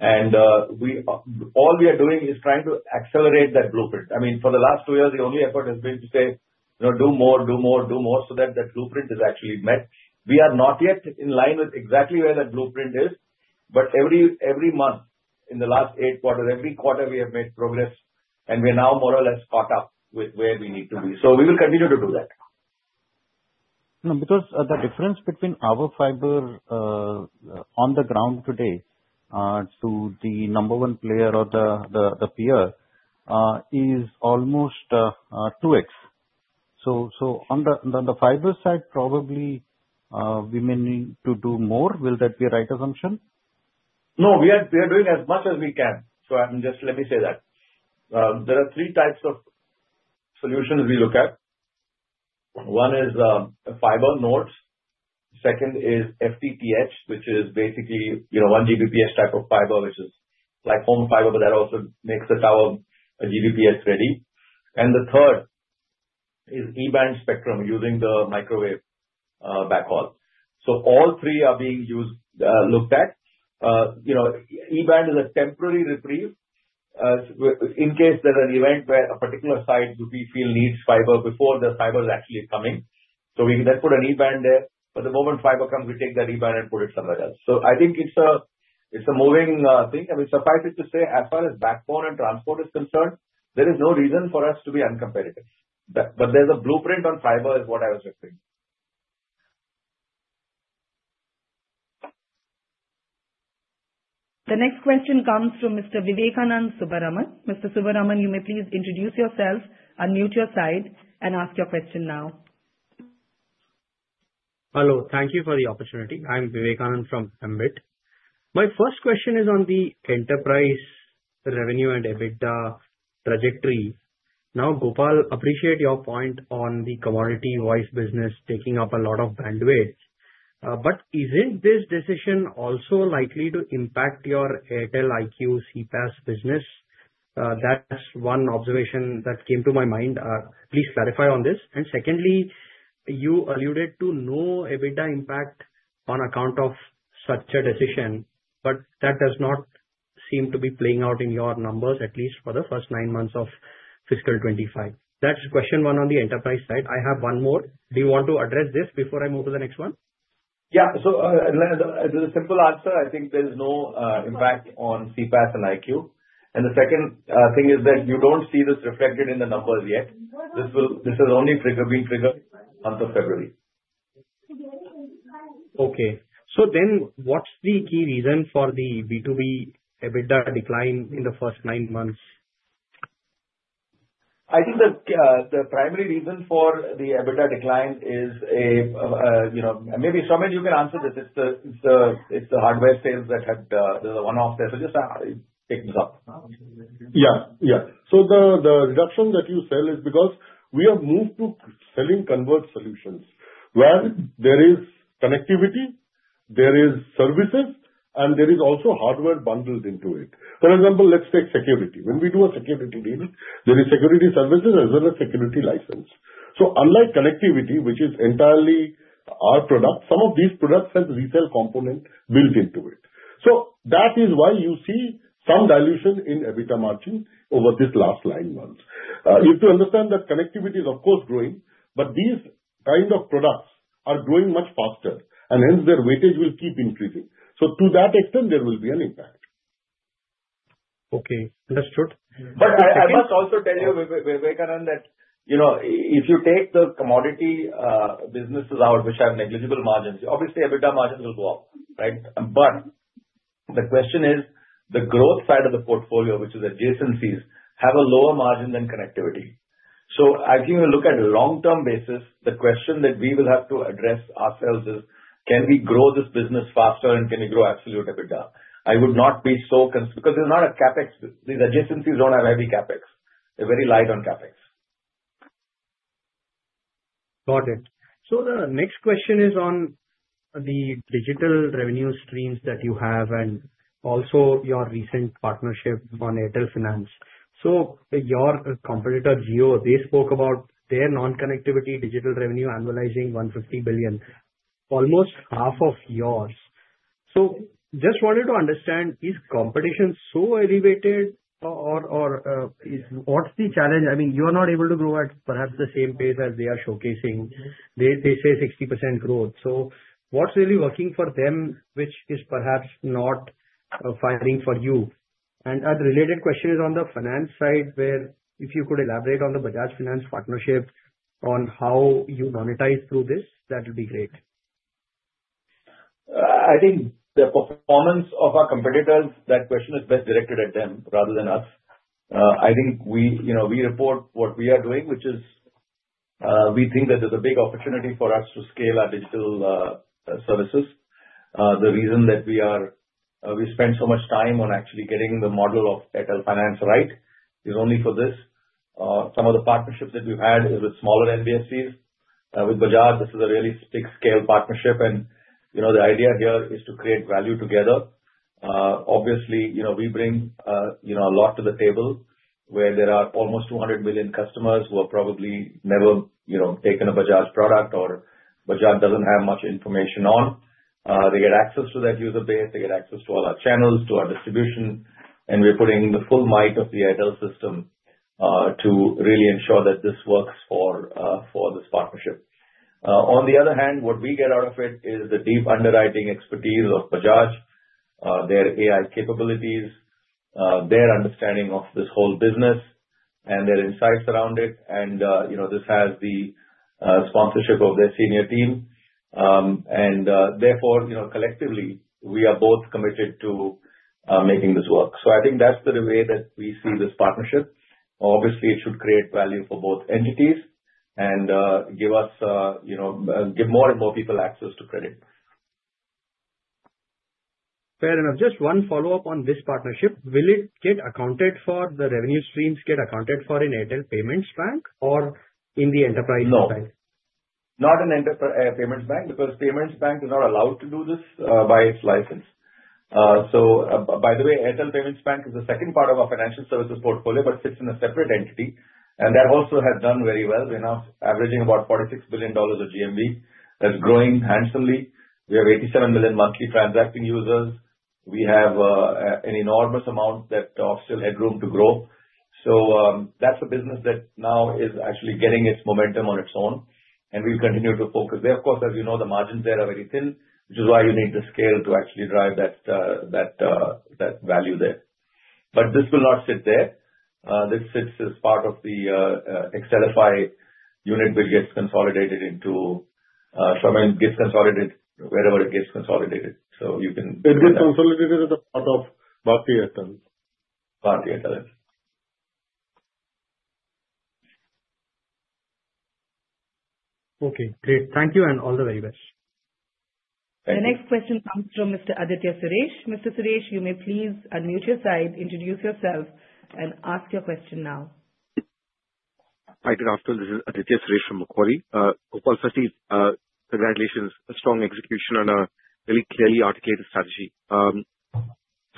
and all we are doing is trying to accelerate that blueprint. I mean, for the last two years, the only effort has been to say, "Do more, do more, do more," so that that blueprint is actually met. We are not yet in line with exactly where that blueprint is, but every month in the last eight quarters, every quarter, we have made progress, and we are now more or less caught up with where we need to be. So we will continue to do that. Because the difference between our fiber on the ground today to the number one player or the peer is almost 2x. So on the fiber side, probably we may need to do more. Will that be a right assumption? No, we are doing as much as we can. So I mean, just let me say that. There are three types of solutions we look at. One is fiber nodes. Second is FTTH, which is basically 1 Gbps type of fiber, which is like home fiber, but that also makes the tower 1 Gbps ready. And the third is E-band spectrum using the microwave backhaul. So all three are being looked at. E-band is a temporary reprieve in case there's an event where a particular site we feel needs fiber before the fiber is actually coming. So we can then put an E-band there. But the moment fiber comes, we take that E-band and put it somewhere else. So I think it's a moving thing. I mean, suffice it to say, as far as backhaul and transport is concerned, there is no reason for us to be uncompetitive. But there's a blueprint on fiber is what I was referring to. The next question comes from Mr. Vivekanand Subbaraman. Mr. Subbaraman, you may please introduce yourself, unmute your side, and ask your question now. Hello. Thank you for the opportunity. I'm Vivekanand from Ambit. My first question is on the enterprise revenue and EBITDA trajectory. Now, Gopal, I appreciate your point on the commodity voice business taking up a lot of bandwidth, but isn't this decision also likely to impact your Airtel IQ CPaaS business? That's one observation that came to my mind. Please clarify on this. And secondly, you alluded to no EBITDA impact on account of such a decision, but that does not seem to be playing out in your numbers, at least for the first nine months of fiscal 25. That's question one on the enterprise side. I have one more. Do you want to address this before I move to the next one? Yeah. So the simple answer, I think there's no impact on CPaaS and IQ. And the second thing is that you don't see this reflected in the numbers yet. This is only being triggered month of February. Okay. So then what's the key reason for the B2B EBITDA decline in the first nine months? I think the primary reason for the EBITDA decline is a maybe Soumen, you can answer this. It's the hardware sales that had the one-off there. So just take this up. Yeah. Yeah. So the reduction that you see is because we have moved to selling converged solutions where there is connectivity, there is services, and there is also hardware bundled into it. For example, let's take security. When we do a security deal, there is security services as well as security license. So unlike connectivity, which is entirely our product, some of these products have a resale component built into it. So that is why you see some dilution in EBITDA margin over these last nine months. You have to understand that connectivity is, of course, growing, but these kind of products are growing much faster, and hence their weightage will keep increasing. So to that extent, there will be an impact. Okay. Understood. But I must also tell you, Vivekanand, that if you take the commodity businesses out, which have negligible margins, obviously EBITDA margins will go up, right? But the question is the growth side of the portfolio, which is adjacencies, have a lower margin than connectivity. So as you look at a long-term basis, the question that we will have to address ourselves is, can we grow this business faster, and can we grow absolute EBITDA? I would not be so concerned because they're not a CapEx. These adjacencies don't have heavy CapEx. They're very light on CapEx. Got it. So the next question is on the digital revenue streams that you have and also your recent partnership on Airtel Finance. So your competitor, Jio, they spoke about their non-connectivity digital revenue annualizing 150 billion, almost half of yours. So just wanted to understand, is competition so elevated, or what's the challenge? I mean, you are not able to grow at perhaps the same pace as they are showcasing. They say 60% growth. So what's really working for them, which is perhaps not fighting for you? And a related question is on the finance side, where if you could elaborate on the Bajaj Finance partnership on how you monetize through this, that would be great. I think the performance of our competitors, that question is best directed at them rather than us. I think we report what we are doing, which is we think that there's a big opportunity for us to scale our digital services. The reason that we spend so much time on actually getting the model of Airtel Finance right is only for this. Some of the partnerships that we've had is with smaller NBFCs. With Bajaj, this is a really big scale partnership, and the idea here is to create value together. Obviously, we bring a lot to the table where there are almost 200 million customers who have probably never taken a Bajaj product or Bajaj doesn't have much information on. They get access to that user base. They get access to all our channels, to our distribution, and we're putting the full might of the Airtel system to really ensure that this works for this partnership. On the other hand, what we get out of it is the deep underwriting expertise of Bajaj, their AI capabilities, their understanding of this whole business, and their insights around it. And this has the sponsorship of their senior team. And therefore, collectively, we are both committed to making this work. So I think that's the way that we see this partnership. Obviously, it should create value for both entities and give us, give more and more people access to credit. Fair enough. Just one follow-up on this partnership. Will it get accounted for? The revenue streams get accounted for in Airtel Payments Bank or in the enterprise bank? No. Not in Payments Bank because Payments Bank is not allowed to do this by its license. So by the way, Airtel Payments Bank is the second part of our financial services portfolio but sits in a separate entity. And that also has done very well. We're now averaging about $46 billion of GMV. That's growing handsomely. We have 87 million monthly transacting users. We have an enormous amount that offers still headroom to grow. So that's a business that now is actually getting its momentum on its own, and we'll continue to focus there. Of course, as you know, the margins there are very thin, which is why you need the scale to actually drive that value there. But this will not sit there. This sits as part of the Airtel Finance unit which gets consolidated into Soumen, gets consolidated wherever it gets consolidated. So you can Get consolidated as a part of Bharti Airtel. Bharti Airtel. Okay. Great. Thank you and all the very best. Thank you. The next question comes from Mr. Aditya Suresh. Mr. Suresh, you may please unmute your side, introduce yourself, and ask your question now. Hi, good afternoon. This is Aditya Suresh from Macquarie. Gopal, firstly, congratulations. Strong execution on a really clearly articulated strategy.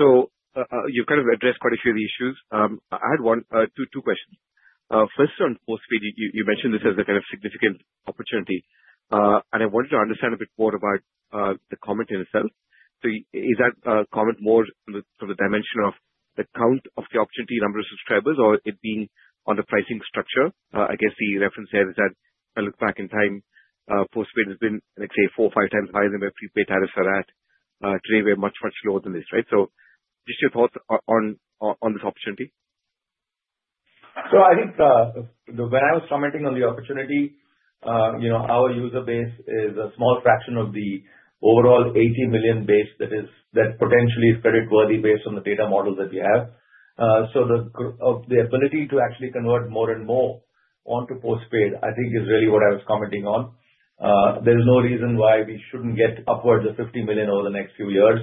So you've kind of addressed quite a few of the issues. I had two questions. First, on postpaid, you mentioned this as a kind of significant opportunity, and I wanted to understand a bit more about the comment in itself. So is that comment more from the dimension of the count of the opportunity, number of subscribers, or it being on the pricing structure? I guess the reference there is that I look back in time, postpaid has been, let's say, four or five times higher than where prepaid tariffs are at. Today, we're much, much lower than this, right? So just your thoughts on this opportunity. So I think when I was commenting on the opportunity, our user base is a small fraction of the overall 80 million base that potentially is creditworthy based on the data models that we have. So the ability to actually convert more and more onto postpaid, I think, is really what I was commenting on. There's no reason why we shouldn't get upwards of 50 million over the next few years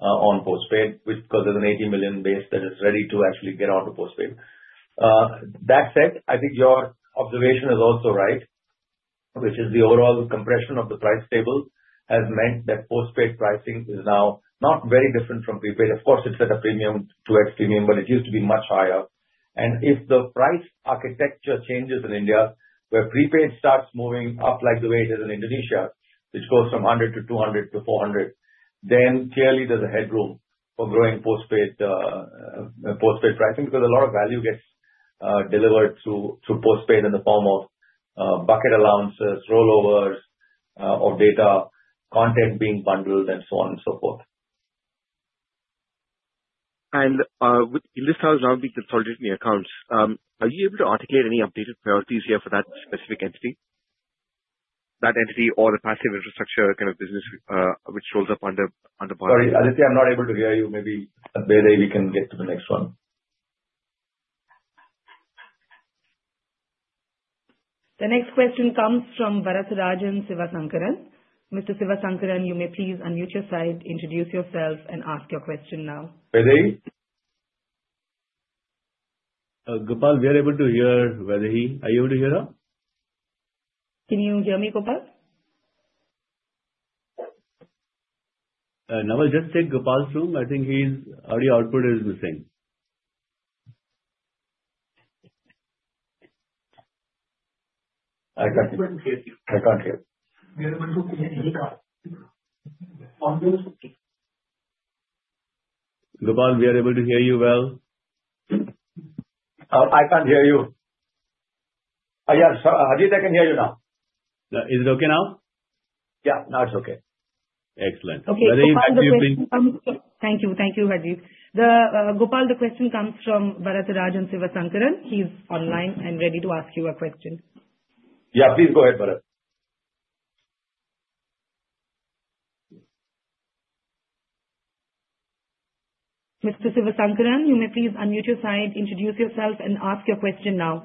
on postpaid, because there's an 80 million base that is ready to actually get onto postpaid. That said, I think your observation is also right, which is the overall compression of the price table has meant that postpaid pricing is now not very different from prepaid. Of course, it's at a premium, 2x premium, but it used to be much higher. And if the price architecture changes in India, where prepaid starts moving up like the way it is in Indonesia, which goes from 100 to 200 to 400, then clearly there's headroom for growing postpaid pricing because a lot of value gets delivered through postpaid in the form of bucket allowances, rollovers of data, content being bundled, and so on and so forth. And in this house, now we consolidate the accounts. Are you able to articulate any updated priorities here for that specific entity? That entity or the passive infrastructure kind of business which rolls up under Bharti? Sorry, Aditya, I'm not able to hear you. Maybe at Bharat, we can get to the next one. The next question comes from Bharat Rajan Sivasankaran. Mr. Sivasankaran, you may please unmute your side, introduce yourself, and ask your question now. Bharat. Gopal, we are able to hear Bharat. Are you able to hear her? Can you hear me, Gopal? Now I'll just take Gopal's room. I think his audio output is missing. I can't hear you. I can't hear you. Gopal, we are able to hear you well. I can't hear you. Yes, Harjeet, I can hear you now. Is it okay now? Yeah. Now it's okay. Excellent. Okay. Thank you. Thank you, Harjeet. Gopal, the question comes from Bharat Rajan Sivasankaran. He's online and ready to ask you a question. Yeah, please go ahead, Bharat. Mr. Sivasankaran, you may please unmute your side, introduce yourself, and ask your question now.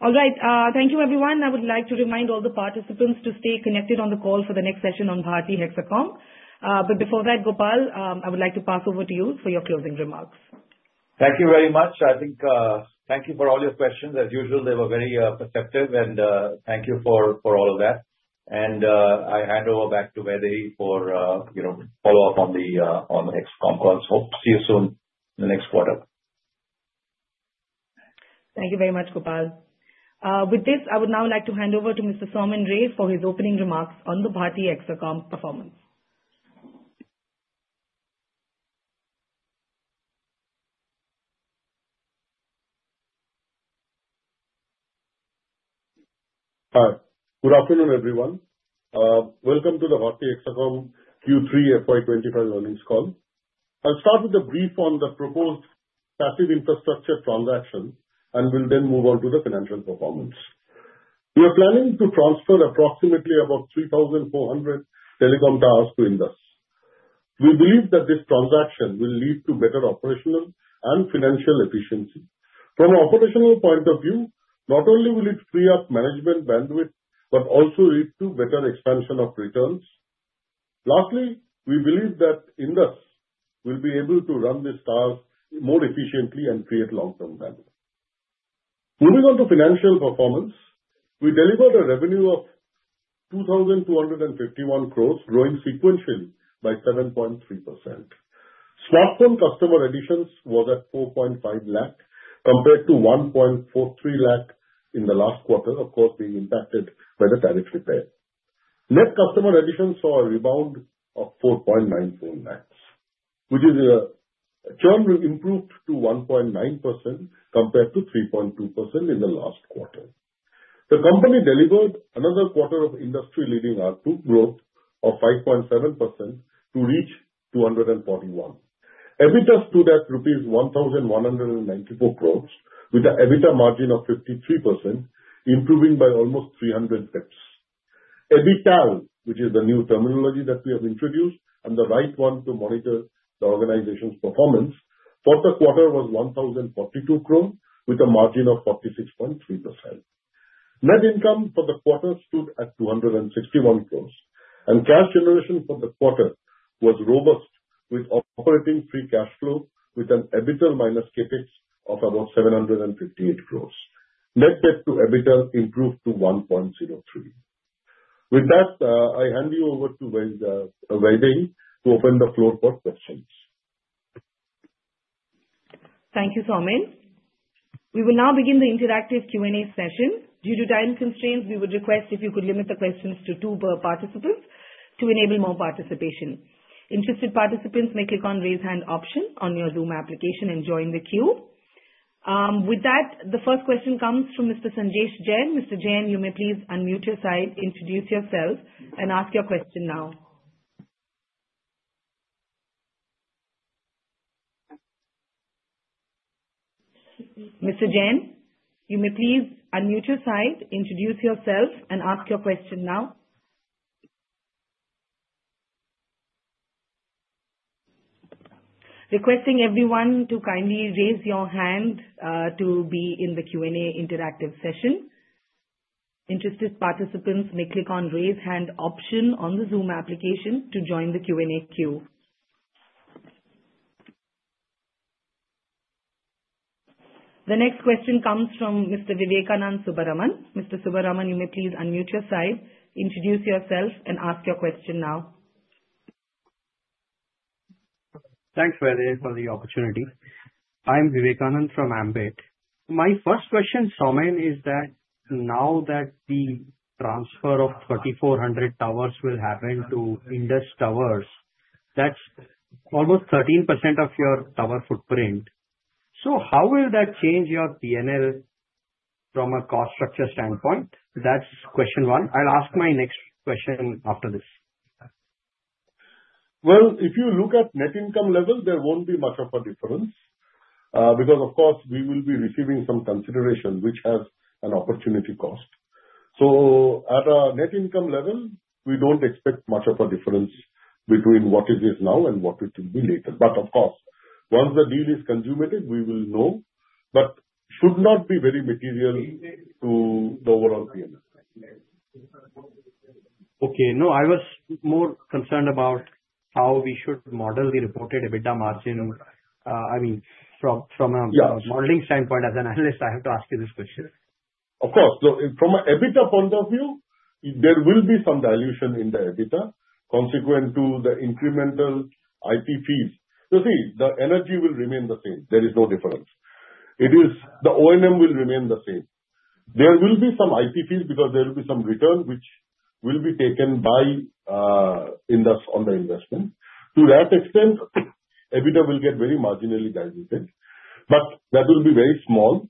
All right. Thank you, everyone. I would like to remind all the participants to stay connected on the call for the next session on Bharti Hexacom. But before that, Gopal, I would like to pass over to you for your closing remarks. Thank you very much. I think, thank you for all your questions. As usual, they were very perceptive, and thank you for all of that. And I hand over back to Naval for follow-up on the Hexacom calls. Hope to see you soon in the next quarter. Thank you very much, Gopal. With this, I would now like to hand over to Mr. Soumen Ray for his opening remarks on the Bharti Hexacom performance. Good afternoon, everyone. Welcome to the Bharti Hexacom Q3 FY25 earnings call. I'll start with a brief on the proposed passive infrastructure transaction, and we'll then move on to the financial performance. We are planning to transfer approximately about 3,400 telecom towers to Indus. We believe that this transaction will lead to better operational and financial efficiency. From an operational point of view, not only will it free up management bandwidth, but also lead to better expansion of returns. Lastly, we believe that Indus will be able to run these towers more efficiently and create long-term value. Moving on to financial performance, we delivered a revenue of 2,251 crores, growing sequentially by 7.3%. Smartphone customer additions were at 4.5 lakh compared to 1.43 lakh in the last quarter, of course, being impacted by the tariff repair. Net customer additions saw a rebound of 4.94 lakhs, which is a churn improved to 1.9% compared to 3.2% in the last quarter. The company delivered another quarter of industry-leading ARPU growth of 5.7% to reach 241. EBITDA stood at rupees 1,194 crores, with an EBITDA margin of 53%, improving by almost 300 bps. EBITDAL, which is the new terminology that we have introduced and the right one to monitor the organization's performance, for the quarter was 1,042 crores with a margin of 46.3%. Net income for the quarter stood at 261 crores, and cash generation for the quarter was robust with operating free cash flow with an EBITDA minus CapEx of about 758 crores. Net debt to EBITDA improved to 1.03. With that, I hand you over to Naval to open the floor for questions. Thank you, Soumen. We will now begin the interactive Q&A session. Due to time constraints, we would request if you could limit the questions to two participants to enable more participation. Interested participants may click on the raise hand option on your Zoom application and join the queue. With that, the first question comes from Mr. Sanjesh Jain. Mr. Jain, you may please unmute your side, introduce yourself, and ask your question now. Requesting everyone to kindly raise your hand to be in the Q&A interactive session. Interested participants may click on the raise hand option on the Zoom application to join the Q&A queue. The next question comes from Mr. Vivekanand Subbaraman. Mr. Subbaraman, you may please unmute your side, introduce yourself, and ask your question now. Thanks, Bharti, for the opportunity. I'm Vivekanand from Ambit. My first question, Soumen, is that now that the transfer of 3,400 towers will happen to Indus Towers, that's almost 13% of your tower footprint. So how will that change your P&L from a cost structure standpoint? That's question one. I'll ask my next question after this. Well, if you look at net income level, there won't be much of a difference because, of course, we will be receiving some consideration, which has an opportunity cost. At a net income level, we don't expect much of a difference between what it is now and what it will be later. But of course, once the deal is consummated, we will know, but it should not be very material to the overall P&L. Okay. No, I was more concerned about how we should model the reported EBITDA margin. I mean, from a modeling standpoint, as an analyst, I have to ask you this question. Of course. From an EBITDA point of view, there will be some dilution in the EBITDA consequent to the incremental IP fees. You see, the energy will remain the same. There is no difference. The O&M will remain the same. There will be some IP fees because there will be some return which will be taken by Indus on the investment. To that extent, EBITDA will get very marginally diluted, but that will be very small.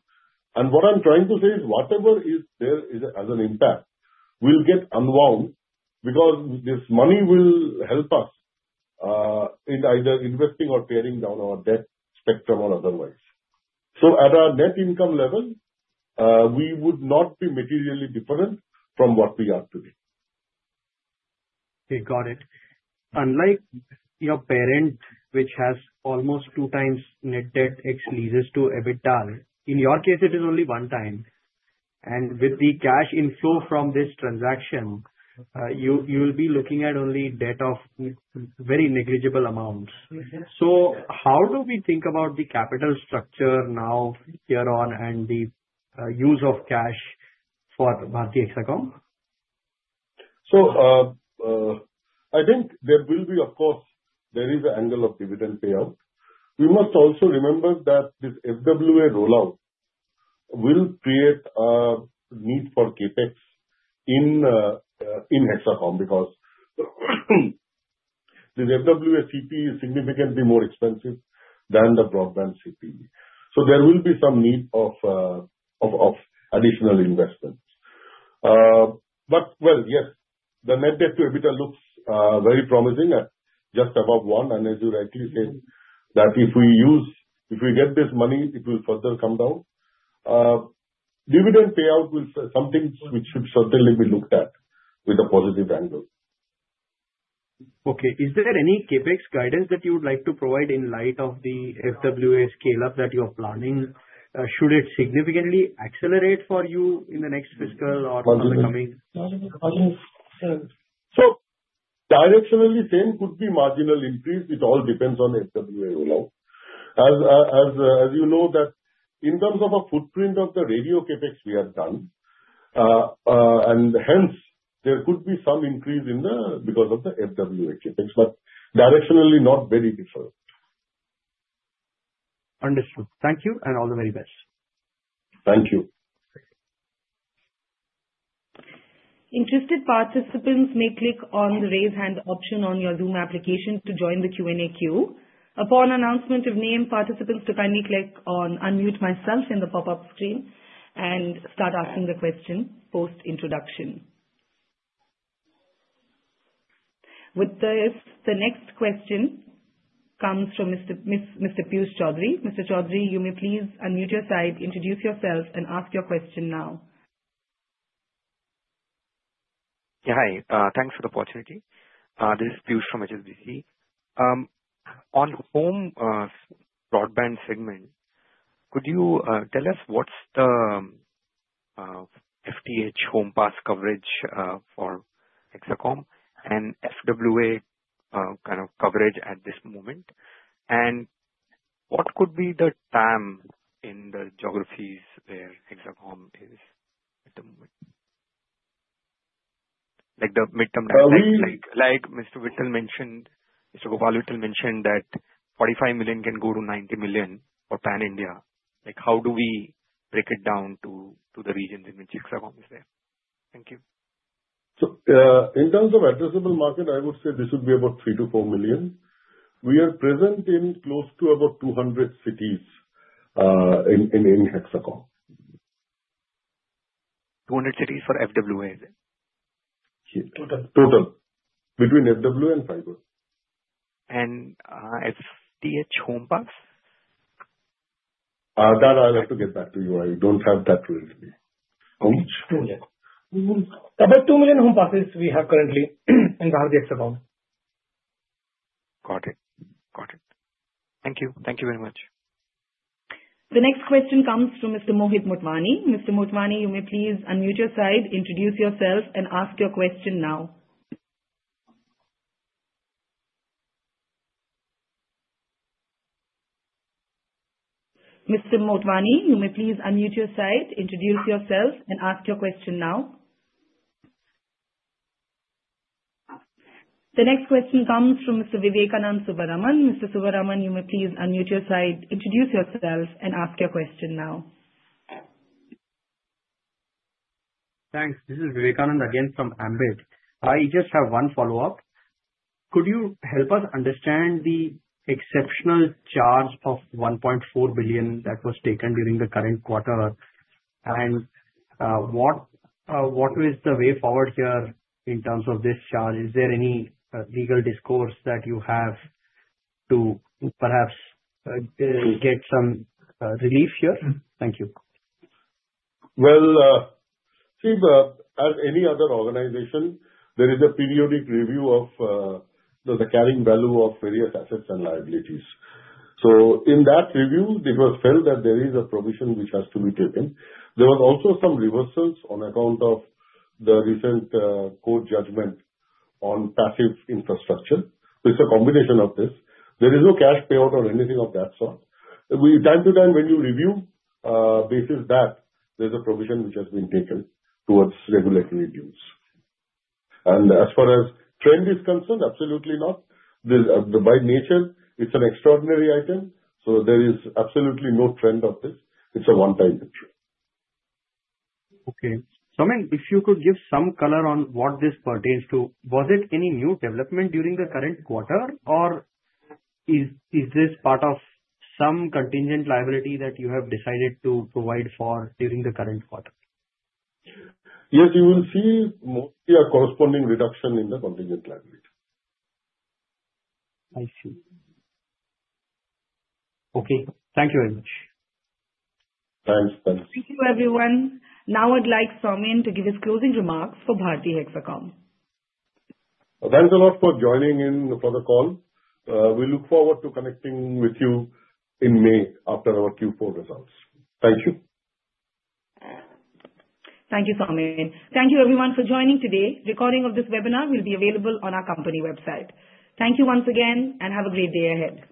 And what I'm trying to say is whatever is there as an impact will get unwound because this money will help us in either investing or paring down our debt and spectrum or otherwise. So at a net income level, we would not be materially different from what we are today. Okay. Got it. Unlike your parent, which has almost two times net debt to EBITDA, in your case, it is only one time. And with the cash inflow from this transaction, you will be looking at only debt of very negligible amounts. So how do we think about the capital structure now, year on, and the use of cash for Bharti Hexacom? So I think there will be, of course, there is an angle of dividend payout. We must also remember that this FWA rollout will create a need for CapEx in Hexacom because this FWA CPE is significantly more expensive than the broadband CPE. So there will be some need of additional investments. But well, yes, the net debt to EBITDA looks very promising at just above one. And as you rightly said, that if we get this money, it will further come down. Dividend payout will be something which should certainly be looked at with a positive angle. Okay. Is there any CapEx guidance that you would like to provide in light of the FWA scale-up that you are planning? Should it significantly accelerate for you in the next fiscal or the coming? So directionally, there could be marginal increase. It all depends on the FWA rollout. As you know, in terms of a footprint of the radio CapEx we have done, and hence, there could be some increase because of the FWA CapEx, but directionally, not very different. Understood. Thank you, and all the very best. Thank you. Interested participants may click on the raise hand option on your Zoom application to join the Q&A queue. Upon announcement of name, participants to kindly click on unmute myself in the pop-up screen and start asking the question post-introduction. With this, the next question comes from Mr. Piyush Choudhury. Mr. Choudhury, you may please unmute your side, introduce yourself, and ask your question now. Yeah. Hi. Thanks for the opportunity. This is Piyush from HSBC. On home broadband segment, could you tell us what's the FTTH home pass coverage for Hexacom and FWA kind of coverage at this moment? What could be the TAM in the geographies where Hexacom is at the moment? Like the mid-term landscape. Like Mr. Gopal Vittal mentioned that 45 million can go to 90 million for Pan India. How do we break it down to the regions in which Hexacom is there? Thank you. In terms of addressable market, I would say this would be about 3-4 million. We are present in close to about 200 cities in Hexacom. 200 cities for FWA, is it? Total. Between FWA and fiber. And FTTH home pass? That I'll have to get back to you. I don't have that ready. About 2 million home passes we have currently in Bharti Hexacom. Got it. Thank you. Thank you very much. The next question comes from Mr. Mohit Motwani. Mr. Motwani, you may please unmute your side, introduce yourself, and ask your question now. Mr. Motwani, you may please unmute your side, introduce yourself, and ask your question now. The next question comes from Mr. Vivekanand Subbaraman. Mr. Subbaraman, you may please unmute your side, introduce yourself, and ask your question now. Thanks. This is Vivekanand again from Ambit. I just have one follow-up. Could you help us understand the exceptional charge of 1.4 billion that was taken during the current quarter? And what is the way forward here in terms of this charge? Is there any legal recourse that you have to perhaps get some relief here? Thank you. Well, see, as any other organization, there is a periodic review of the carrying value of various assets and liabilities. So in that review, it was felt that there is a provision which has to be taken. There were also some reversals on account of the recent court judgment on passive infrastructure. It's a combination of this. There is no cash payout or anything of that sort. From time to time, when you review, based on that there's a provision which has been taken towards regulatory dues, and as far as trend is concerned, absolutely not. By nature, it's an extraordinary item. So there is absolutely no trend of this. It's a one-time issue. Okay. Soumen, if you could give some color on what this pertains to, was it any new development during the current quarter, or is this part of some contingent liability that you have decided to provide for during the current quarter? Yes, you will see mostly a corresponding reduction in the contingent liability. I see. Okay. Thank you very much. Thanks. Thank you. Thank you, everyone. Now I'd like Soumen to give his closing remarks for Bharti Hexacom. Thanks a lot for joining in for the call. We look forward to connecting with you in May after our Q4 results. Thank you. Thank you, Soumen. Thank you, everyone, for joining today. Recording of this webinar will be available on our company website. Thank you once again, and have a great day ahead.